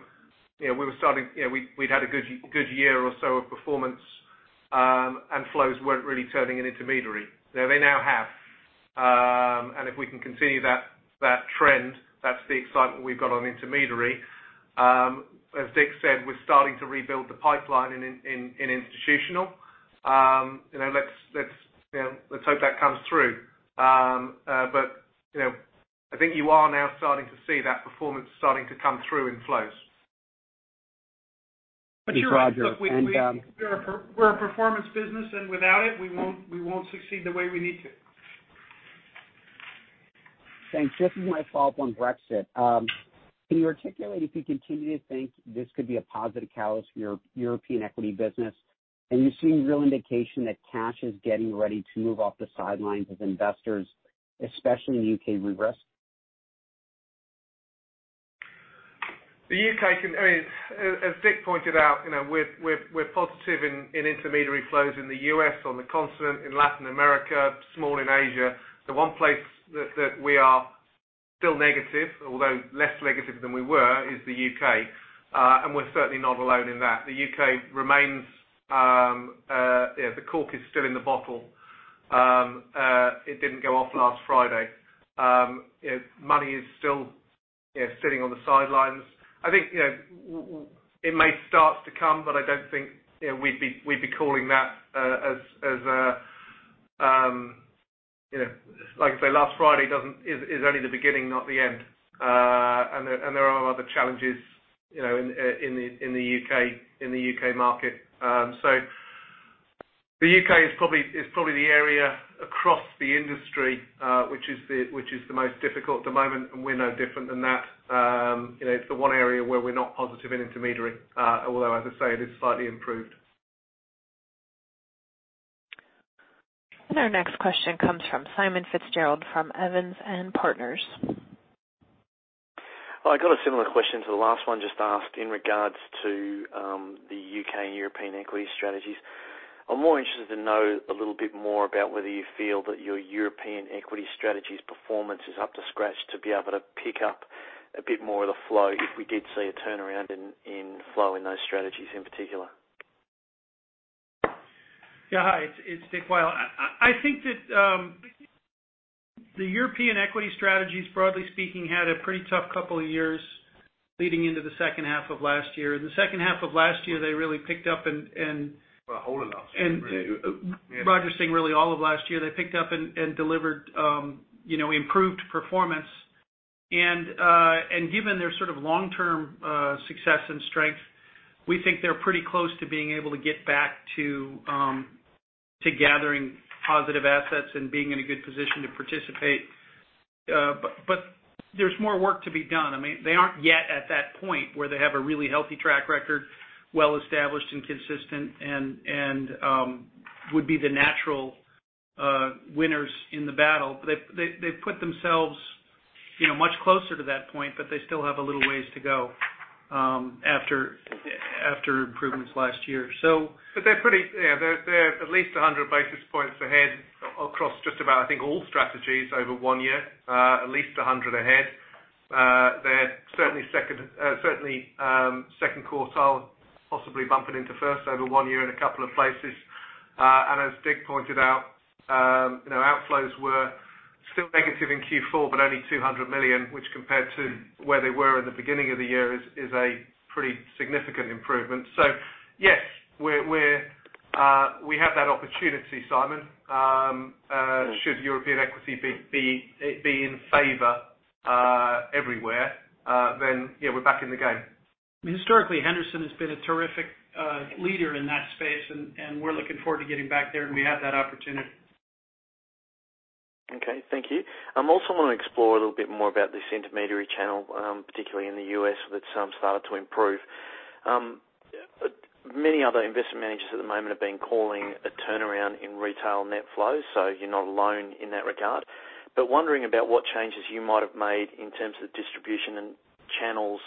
we'd had a good year or so of performance, and flows weren't really turning in intermediary. They now have. If we can continue that trend, that's the excitement we've got on intermediary. As Dick said, we're starting to rebuild the pipeline in institutional. Let's hope that comes through. I think you are now starting to see that performance starting to come through in flows. You're right. Roger and- We're a performance business, and without it, we won't succeed the way we need to. Thanks. Just as my follow-up on Brexit. Can you articulate if you continue to think this could be a positive catalyst for your European equity business? You're seeing real indication that cash is getting ready to move off the sidelines of investors, especially in the U.K. risk? As Dick pointed out, we're positive in intermediary flows in the U.S., on the continent, in Latin America, small in Asia. The one place that we are still negative, although less negative than we were, is the U.K., and we're certainly not alone in that. The cork is still in the bottle. It didn't go off last Friday. Money is still sitting on the sidelines. I think it may start to come, but I don't think we'd be calling that as Like I say, last Friday is only the beginning, not the end. There are other challenges in the U.K. market. The U.K. is probably the area across the industry, which is the most difficult at the moment, and we're no different than that. It's the one area where we're not positive in intermediary, although, as I say, it is slightly improved. Our next question comes from Simon Fitzgerald from Evans and Partners. Well, I got a similar question to the last one just asked in regards to the U.K. and European Equities strategies. I'm more interested to know a little bit more about whether you feel that your European Equities strategy's performance is up to scratch to be able to pick up a bit more of the flow if we did see a turnaround in flow in those strategies in particular. Yeah. Hi, it's Dick Weil. I think that the European equity strategies, broadly speaking, had a pretty tough couple of years leading into the second half of last year. In the second half of last year, they really picked up. For whole of last year, really. Yeah. Roger saying really all of last year, they picked up and delivered improved performance. Given their sort of long-term success and strength, we think they're pretty close to being able to get back to gathering positive assets and being in a good position to participate. There's more work to be done. They aren't yet at that point where they have a really healthy track record, well-established and consistent, and would be the natural winners in the battle. They've put themselves much closer to that point, but they still have a little ways to go after improvements last year. They're at least 100 basis points ahead across just about, I think, all strategies over one year, at least 100 ahead. They're certainly second quartile, possibly bumping into first over one year in a couple of places. As Dick pointed out, outflows were still negative in Q4, but only $200 million, which compared to where they were in the beginning of the year is a pretty significant improvement. Yes, we have that opportunity, Simon. Should European Equities be in favor everywhere, then, yeah, we're back in the game. Historically, Henderson has been a terrific leader in that space, and we're looking forward to getting back there, and we have that opportunity. Okay, thank you. I also want to explore a little bit more about this intermediary channel, particularly in the U.S., that started to improve. Many other investment managers at the moment have been calling a turnaround in retail net flow, so you're not alone in that regard. Wondering about what changes you might have made in terms of distribution and channels,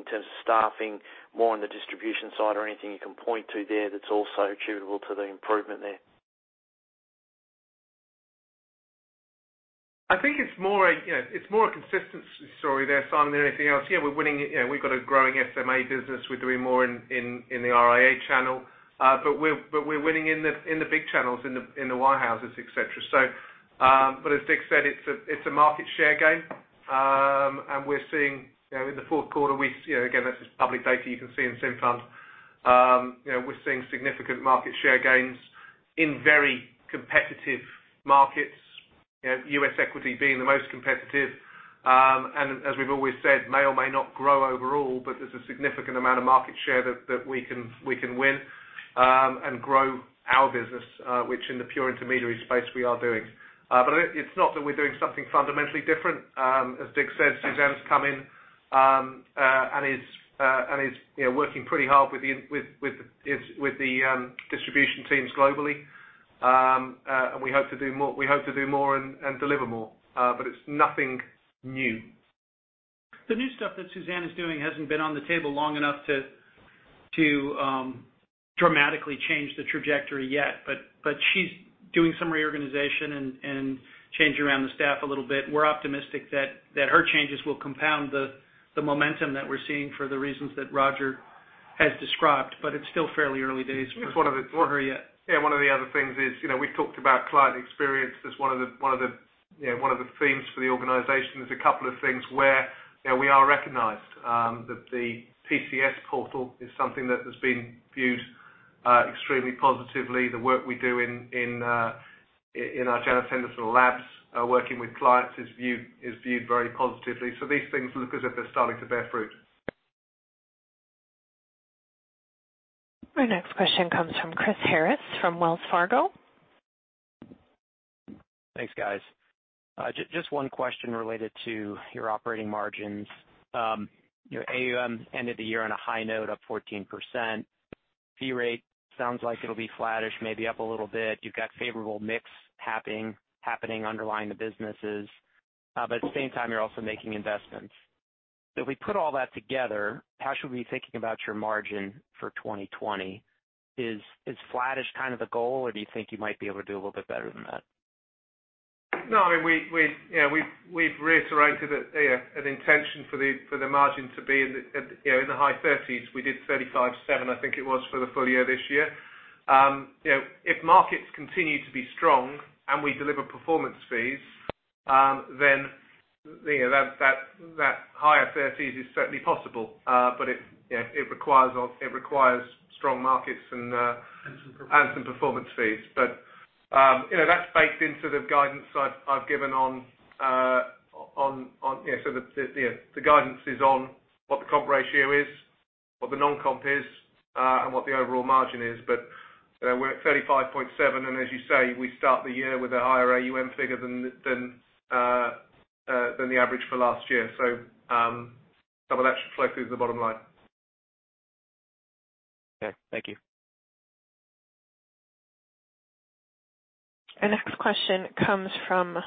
in terms of staffing, more on the distribution side or anything you can point to there that's also attributable to the improvement there? I think it's more a consistency story there, Simon, than anything else. Yeah, we're winning. We've got a growing SMA business. We're doing more in the RIA channel. We're winning in the big channels, in the wirehouses, et cetera. As Dick said, it's a market share game. We're seeing in the fourth quarter, again, this is public data you can see in Simfund. We're seeing significant market share gains in very competitive markets, U.S. equity being the most competitive. As we've always said, may or may not grow overall, but there's a significant amount of market share that we can win and grow our business, which in the pure intermediary space we are doing. It's not that we're doing something fundamentally different. As Dick said, Suzanne's come in and is working pretty hard with the distribution teams globally. We hope to do more and deliver more. It's nothing new. The new stuff that Suzanne is doing hasn't been on the table long enough to dramatically change the trajectory yet. She's doing some reorganization and change around the staff a little bit. We're optimistic that her changes will compound the momentum that we're seeing for the reasons that Roger has described, but it's still fairly early days for her yet. Yeah. One of the other things is, we talked about client experience as one of the themes for the organization. There's a couple of things where we are recognized. That the PCS portal is something that has been viewed extremely positively. The work we do in our Janus Henderson labs working with clients is viewed very positively. These things look as if they're starting to bear fruit. Our next question comes from Chris Harris from Wells Fargo. Thanks, guys. Just one question related to your operating margins. Your AUM ended the year on a high note, up 14%. Fee rate sounds like it'll be flattish, maybe up a little bit. You've got favorable mix happening underlying the businesses. At the same time, you're also making investments. If we put all that together, how should we be thinking about your margin for 2020? Is flattish kind of the goal, or do you think you might be able to do a little bit better than that? No, we've reiterated an intention for the margin to be in the high 30s. We did 35.7%, I think it was, for the full year this year. If markets continue to be strong and we deliver performance fees then that high of 30s is certainly possible. It requires strong markets and Some performance fees. Some performance fees. That's baked into the guidance I've given on. The guidance is on what the comp ratio is, what the non-comp is, and what the overall margin is. We're at 35.7%, and as you say, we start the year with a higher AUM figure than the average for last year. That should flow through to the bottom line. Okay, thank you. Our next question comes from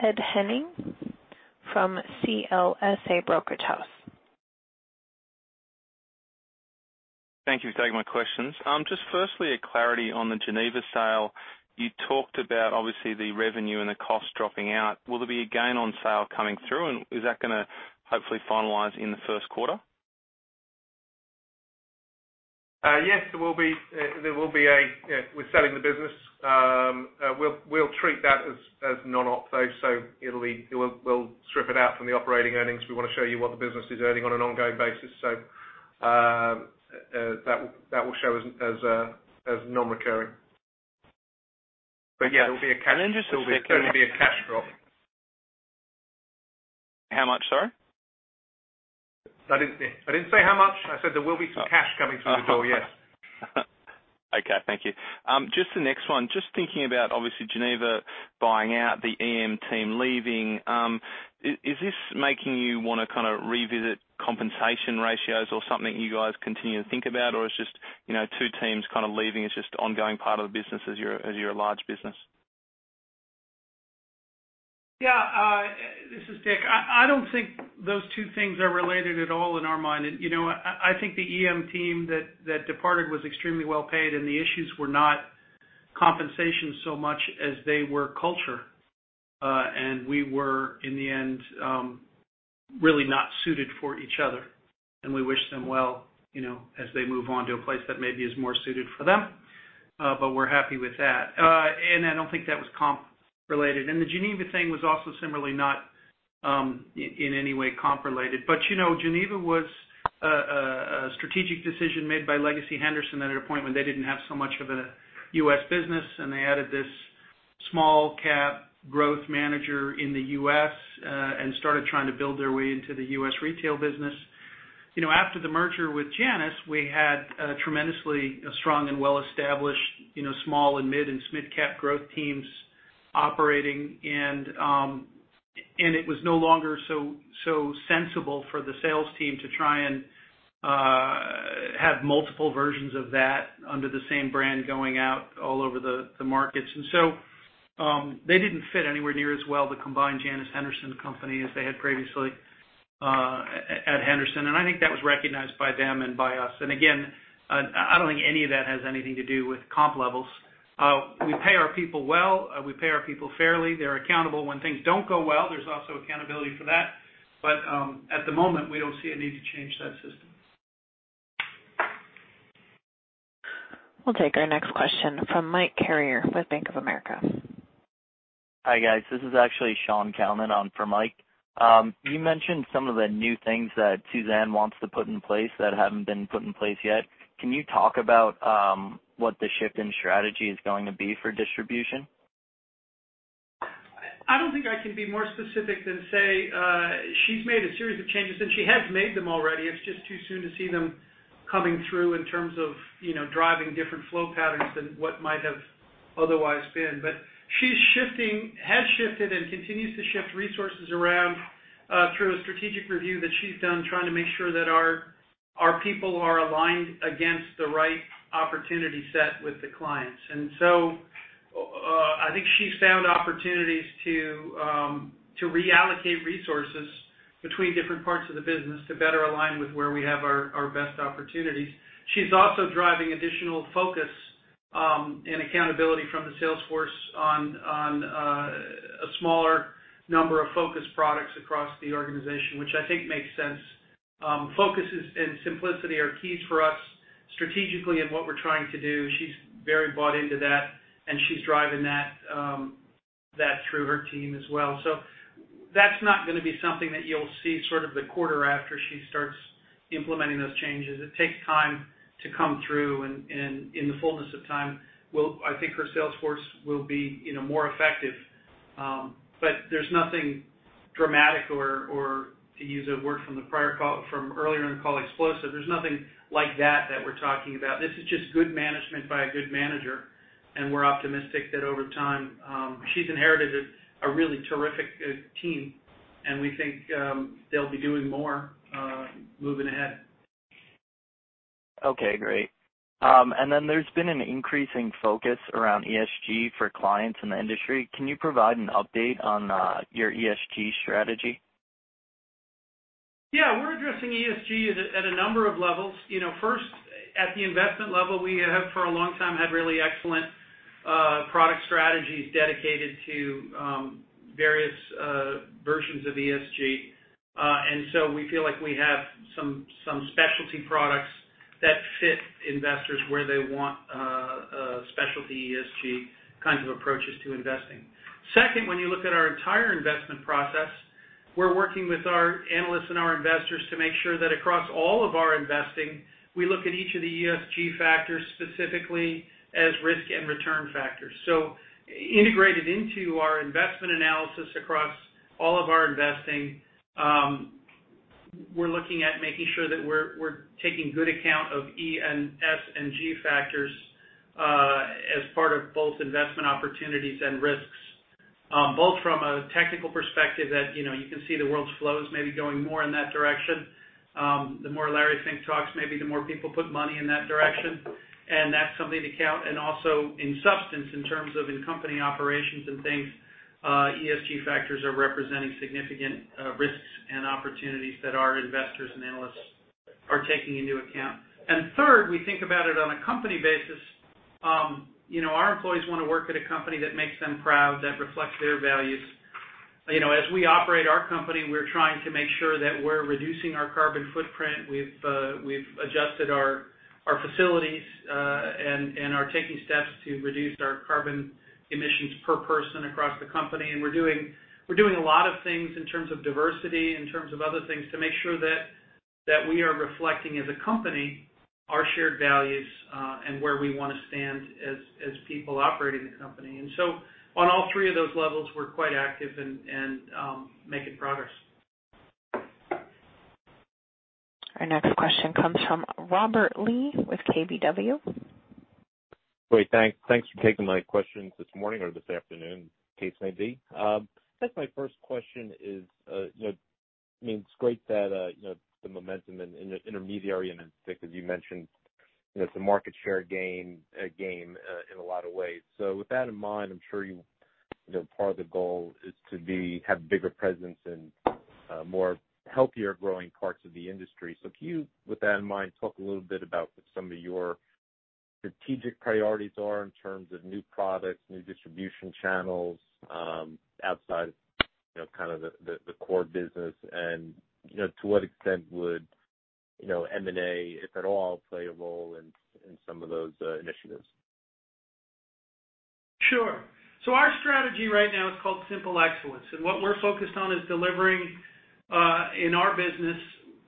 Ed Henning from CLSA Brokerage House. Thank you for taking my questions. Just firstly, a clarity on the Geneva sale. You talked about, obviously, the revenue and the cost dropping out. Will there be a gain on sale coming through, and is that going to hopefully finalize in the first quarter? Yes, there will be. We're selling the business. We'll treat that as non-op, though, so we'll strip it out from the operating earnings. We want to show you what the business is earning on an ongoing basis. That will show as non-recurring. Yeah, there'll be a cash drop. How much, sorry? I didn't say how much. I said there will be some cash coming through the door, yes. Okay, thank you. Just the next one. Just thinking about, obviously, Geneva buying out, the EM team leaving. Is this making you want to revisit compensation ratios or something you guys continue to think about, or it is just two teams leaving, it is just ongoing part of the business as you are a large business? This is Dick. I don't think those two things are related at all in our mind. I think the EM team that departed was extremely well-paid, and the issues were not compensation so much as they were culture. We were, in the end, really not suited for each other, and we wish them well as they move on to a place that maybe is more suited for them. We're happy with that. I don't think that was comp related. The Geneva thing was also similarly not in any way comp related. Geneva was a strategic decision made by legacy Henderson at a point when they didn't have so much of a U.S. business, and they added this small cap growth manager in the U.S. and started trying to build their way into the U.S. retail business. After the merger with Janus, we had a tremendously strong and well-established small and mid and SMID cap growth teams operating, and it was no longer so sensible for the sales team to try and have multiple versions of that under the same brand going out all over the markets. They didn't fit anywhere near as well the combined Janus Henderson company as they had previously at Henderson. I think that was recognized by them and by us. I don't think any of that has anything to do with comp levels. We pay our people well. We pay our people fairly. They're accountable when things don't go well. There's also accountability for that. At the moment, we don't see a need to change that system. We'll take our next question from Mike Carrier with Bank of America. Hi, guys. This is actually Sean Calnan on for Mike. You mentioned some of the new things that Suzanne wants to put in place that haven't been put in place yet. Can you talk about what the shift in strategy is going to be for distribution? I don't think I can be more specific than say she's made a series of changes, and she has made them already. It's just too soon to see them coming through in terms of driving different flow patterns than what might have otherwise been. But she's shifting, has shifted, and continues to shift resources around through a strategic review that she's done trying to make sure that our people are aligned against the right opportunity set with the clients. I think she's found opportunities to reallocate resources between different parts of the business to better align with where we have our best opportunities. She's also driving additional focus and accountability from the sales force on a smaller number of focus products across the organization, which I think makes sense. Focus and simplicity are keys for us strategically in what we're trying to do. She's very bought into that, and she's driving that through her team as well. That's not going to be something that you'll see sort of the quarter after she starts implementing those changes. It takes time to come through. In the fullness of time, I think her sales force will be more effective. There's nothing dramatic or to use a word from earlier in the call, explosive. There's nothing like that we're talking about. This is just good management by a good manager, and we're optimistic that over time, she's inherited a really terrific team, and we think they'll be doing more moving ahead. Okay, great. There's been an increasing focus around ESG for clients in the industry. Can you provide an update on your ESG strategy? Yeah. We're addressing ESG at a number of levels. First, at the investment level, we have, for a long time, had really excellent product strategies dedicated to various versions of ESG. We feel like we have some specialty products that fit investors where they want specialty ESG kinds of approaches to investing. Second, when you look at our entire investment process, we're working with our analysts and our investors to make sure that across all of our investing, we look at each of the ESG factors specifically as risk and return factors. Integrated into our investment analysis across all of our investing, we're looking at making sure that we're taking good account of E and S and G factors, as part of both investment opportunities and risks. Both from a technical perspective that you can see the world's flows maybe going more in that direction. The more Larry Fink talks, maybe the more people put money in that direction, and that's something to count. Also in substance, in terms of in company operations and things, ESG factors are representing significant risks and opportunities that our investors and analysts are taking into account. Third, we think about it on a company basis. Our employees want to work at a company that makes them proud, that reflects their values. As we operate our company, we're trying to make sure that we're reducing our carbon footprint. We've adjusted our facilities, and are taking steps to reduce our carbon emissions per person across the company. We're doing a lot of things in terms of diversity, in terms of other things, to make sure that we are reflecting as a company our shared values, and where we want to stand as people operating the company. On all three of those levels, we're quite active and making progress. Our next question comes from Robert Lee with KBW. Great. Thanks for taking my questions this morning or this afternoon, case may be. I guess my first question is, it's great that the momentum in intermediary and then institutional, as you mentioned, it's a market share game in a lot of ways. With that in mind, I'm sure part of the goal is to have bigger presence in more healthier growing parts of the industry. Can you, with that in mind, talk a little bit about what some of your strategic priorities are in terms of new products, new distribution channels, outside the core business, and to what extent would M&A, if at all, play a role in some of those initiatives? Sure. Our strategy right now is called Simple Excellence, and what we're focused on is delivering, in our business,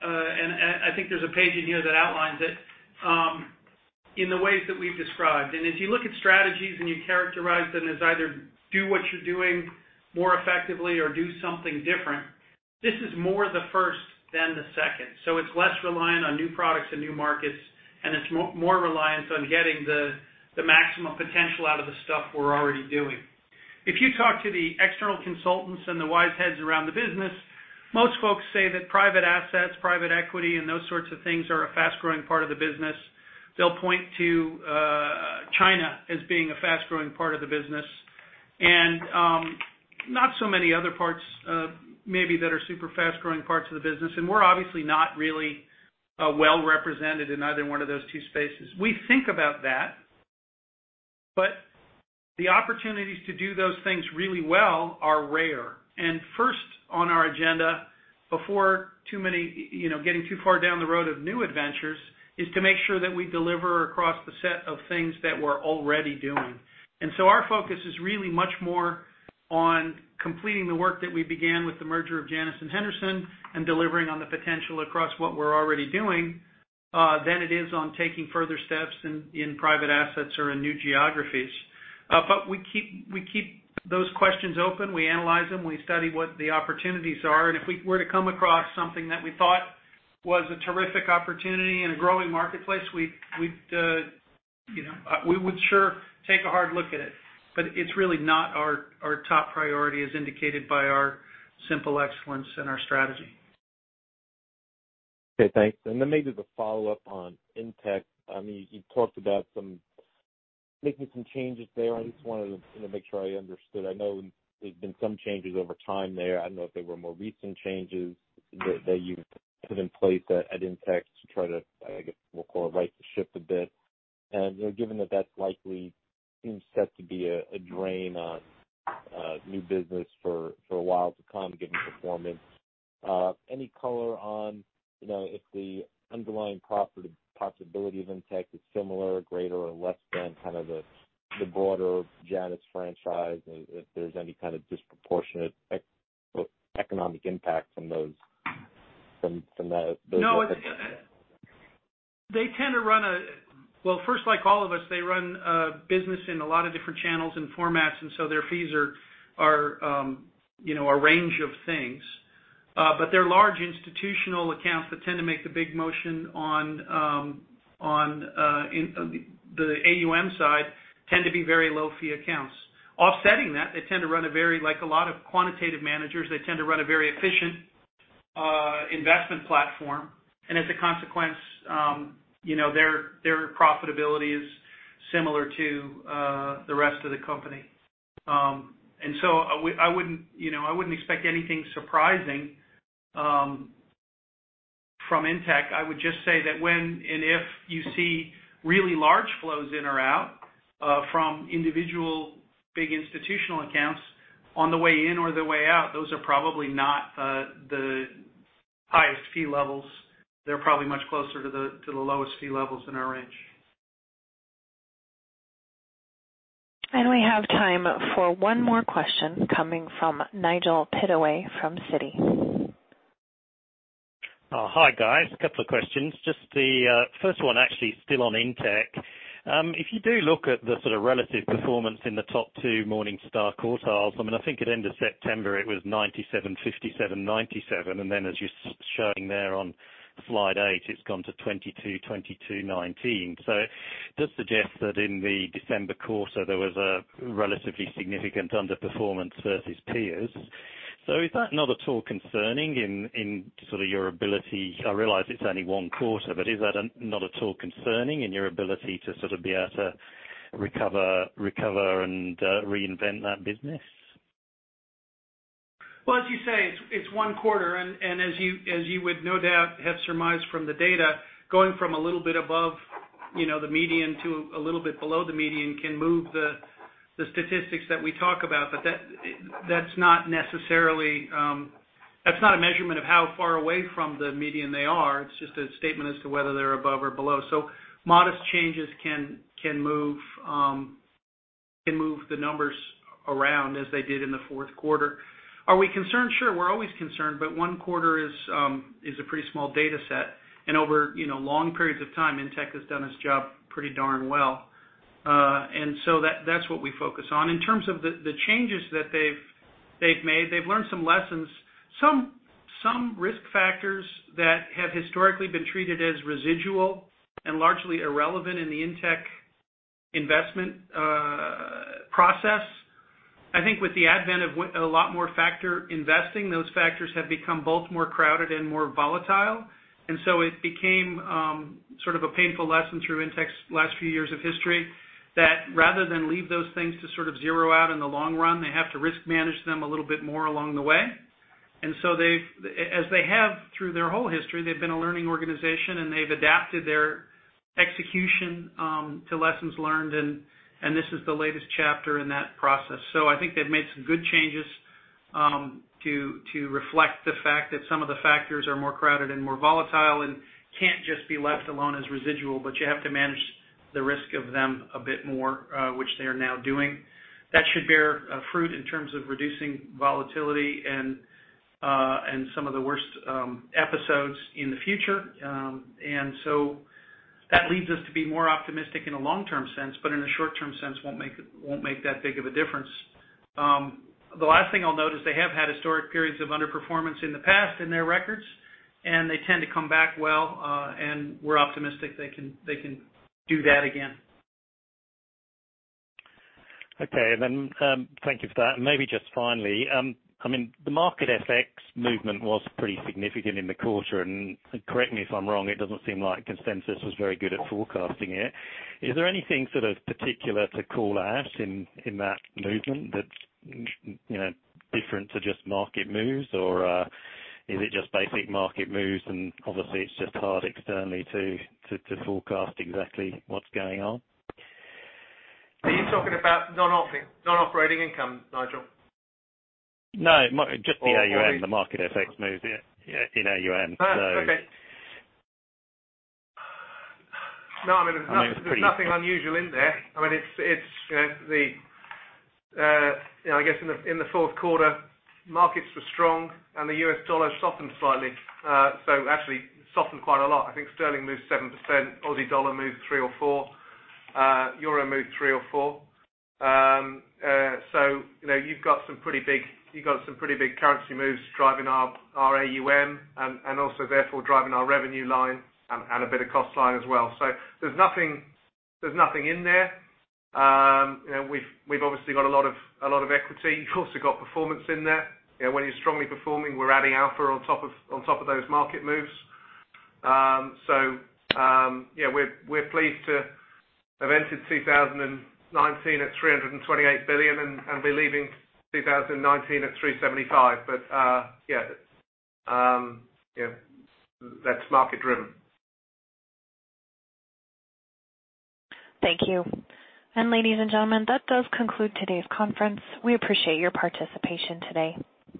and I think there's a page in here that outlines it, in the ways that we've described. If you look at strategies and you characterize them as either do what you're doing more effectively or do something different, this is more the first than the second. It's less reliant on new products and new markets, and it's more reliant on getting the maximum potential out of the stuff we're already doing. If you talk to the external consultants and the wise heads around the business, most folks say that private assets, private equity, and those sorts of things are a fast-growing part of the business. They'll point to China as being a fast-growing part of the business. Not so many other parts, maybe that are super fast-growing parts of the business. We're obviously not really well-represented in either one of those two spaces. We think about that, but the opportunities to do those things really well are rare. First on our agenda before getting too far down the road of new adventures, is to make sure that we deliver across the set of things that we're already doing. Our focus is really much more on completing the work that we began with the merger of Janus and Henderson and delivering on the potential across what we're already doing, than it is on taking further steps in private assets or in new geographies. We keep those questions open. We analyze them. We study what the opportunities are, and if we were to come across something that we thought was a terrific opportunity in a growing marketplace, we would sure take a hard look at it. It's really not our top priority as indicated by our Simple Excellence and our strategy. Okay, thanks. Maybe the follow-up on Intech. You talked about making some changes there. I just wanted to make sure I understood. I know there's been some changes over time there. I don't know if there were more recent changes that you've put in place at Intech to try to, I guess, right the ship a bit. Given that that likely seems set to be a drain on new business for a while to come, given performance, any color on if the underlying possibility of Intech is similar, greater or less than the broader Janus franchise, if there's any kind of disproportionate economic impact from those? Well, first, like all of us, they run a business in a lot of different channels and formats, and so their fees are a range of things. Their large institutional accounts that tend to make the big motion on the AUM side tend to be very low-fee accounts. Offsetting that, like a lot of quantitative managers, they tend to run a very efficient investment platform. As a consequence their profitability is similar to the rest of the company. I wouldn't expect anything surprising from Intech. I would just say that when and if you see really large flows in or out from individual big institutional accounts on the way in or the way out, those are probably not the highest fee levels. They're probably much closer to the lowest fee levels in our range. We have time for one more question coming from Nigel Pittaway from Citi. Oh, hi guys. A couple of questions. The first one, actually still on Intech. If you do look at the relative performance in the top two Morningstar quartiles, I think at end of September it was 97/57/97, as you're showing there on slide eight, it's gone to 22/22/19. It does suggest that in the December quarter, there was a relatively significant underperformance versus peers. Is that not at all concerning in your ability I realize it's only one quarter, but is that not at all concerning in your ability to be able to recover and reinvent that business? As you say, it's one quarter, and as you would no doubt have surmised from the data, going from a little bit above the median to a little bit below the median can move the statistics that we talk about. That's not a measurement of how far away from the median they are. It's just a statement as to whether they're above or below. Modest changes can move the numbers around as they did in the fourth quarter. Are we concerned? Sure. We're always concerned, but one quarter is a pretty small data set. Over long periods of time, Intech has done its job pretty darn well. That's what we focus on. In terms of the changes that they've made, they've learned some lessons. Some risk factors that have historically been treated as residual and largely irrelevant in the Intech investment process. I think with the advent of a lot more factor investing, those factors have become both more crowded and more volatile. It became a painful lesson through Intech's last few years of history that rather than leave those things to zero out in the long run, they have to risk manage them a little bit more along the way. As they have through their whole history, they've been a learning organization, and they've adapted their execution to lessons learned, and this is the latest chapter in that process. I think they've made some good changes to reflect the fact that some of the factors are more crowded and more volatile and can't just be left alone as residual, but you have to manage the risk of them a bit more, which they are now doing. That should bear fruit in terms of reducing volatility and some of the worst episodes in the future. That leads us to be more optimistic in a long-term sense, but in a short-term sense, won't make that big of a difference. The last thing I'll note is they have had historic periods of underperformance in the past in their records, and they tend to come back well, and we're optimistic they can do that again. Okay. Thank you for that. Maybe just finally, the market FX movement was pretty significant in the quarter, and correct me if I'm wrong, it doesn't seem like consensus was very good at forecasting it. Is there anything particular to call out in that movement that's different to just market moves, or is it just basic market moves and obviously it's just hard externally to forecast exactly what's going on? Are you talking about non-operating income, Nigel? No, just the AUM, the market FX move in AUM. No, there's nothing unusual in there. I guess in the fourth quarter, markets were strong, and the US dollar softened slightly. Actually softened quite a lot. I think GBP moved 7%, AUD moved 3% or 4%, EUR moved 3% or 4%. You've got some pretty big currency moves driving our AUM and also therefore driving our revenue line and a bit of cost line as well. There's nothing in there. We've obviously got a lot of equity. You've also got performance in there. When you're strongly performing, we're adding alpha on top of those market moves. We're pleased to have entered 2019 at $328 billion and be leaving 2019 at $375 billion. That's market driven. Thank you. Ladies and gentlemen, that does conclude today's conference. We appreciate your participation today.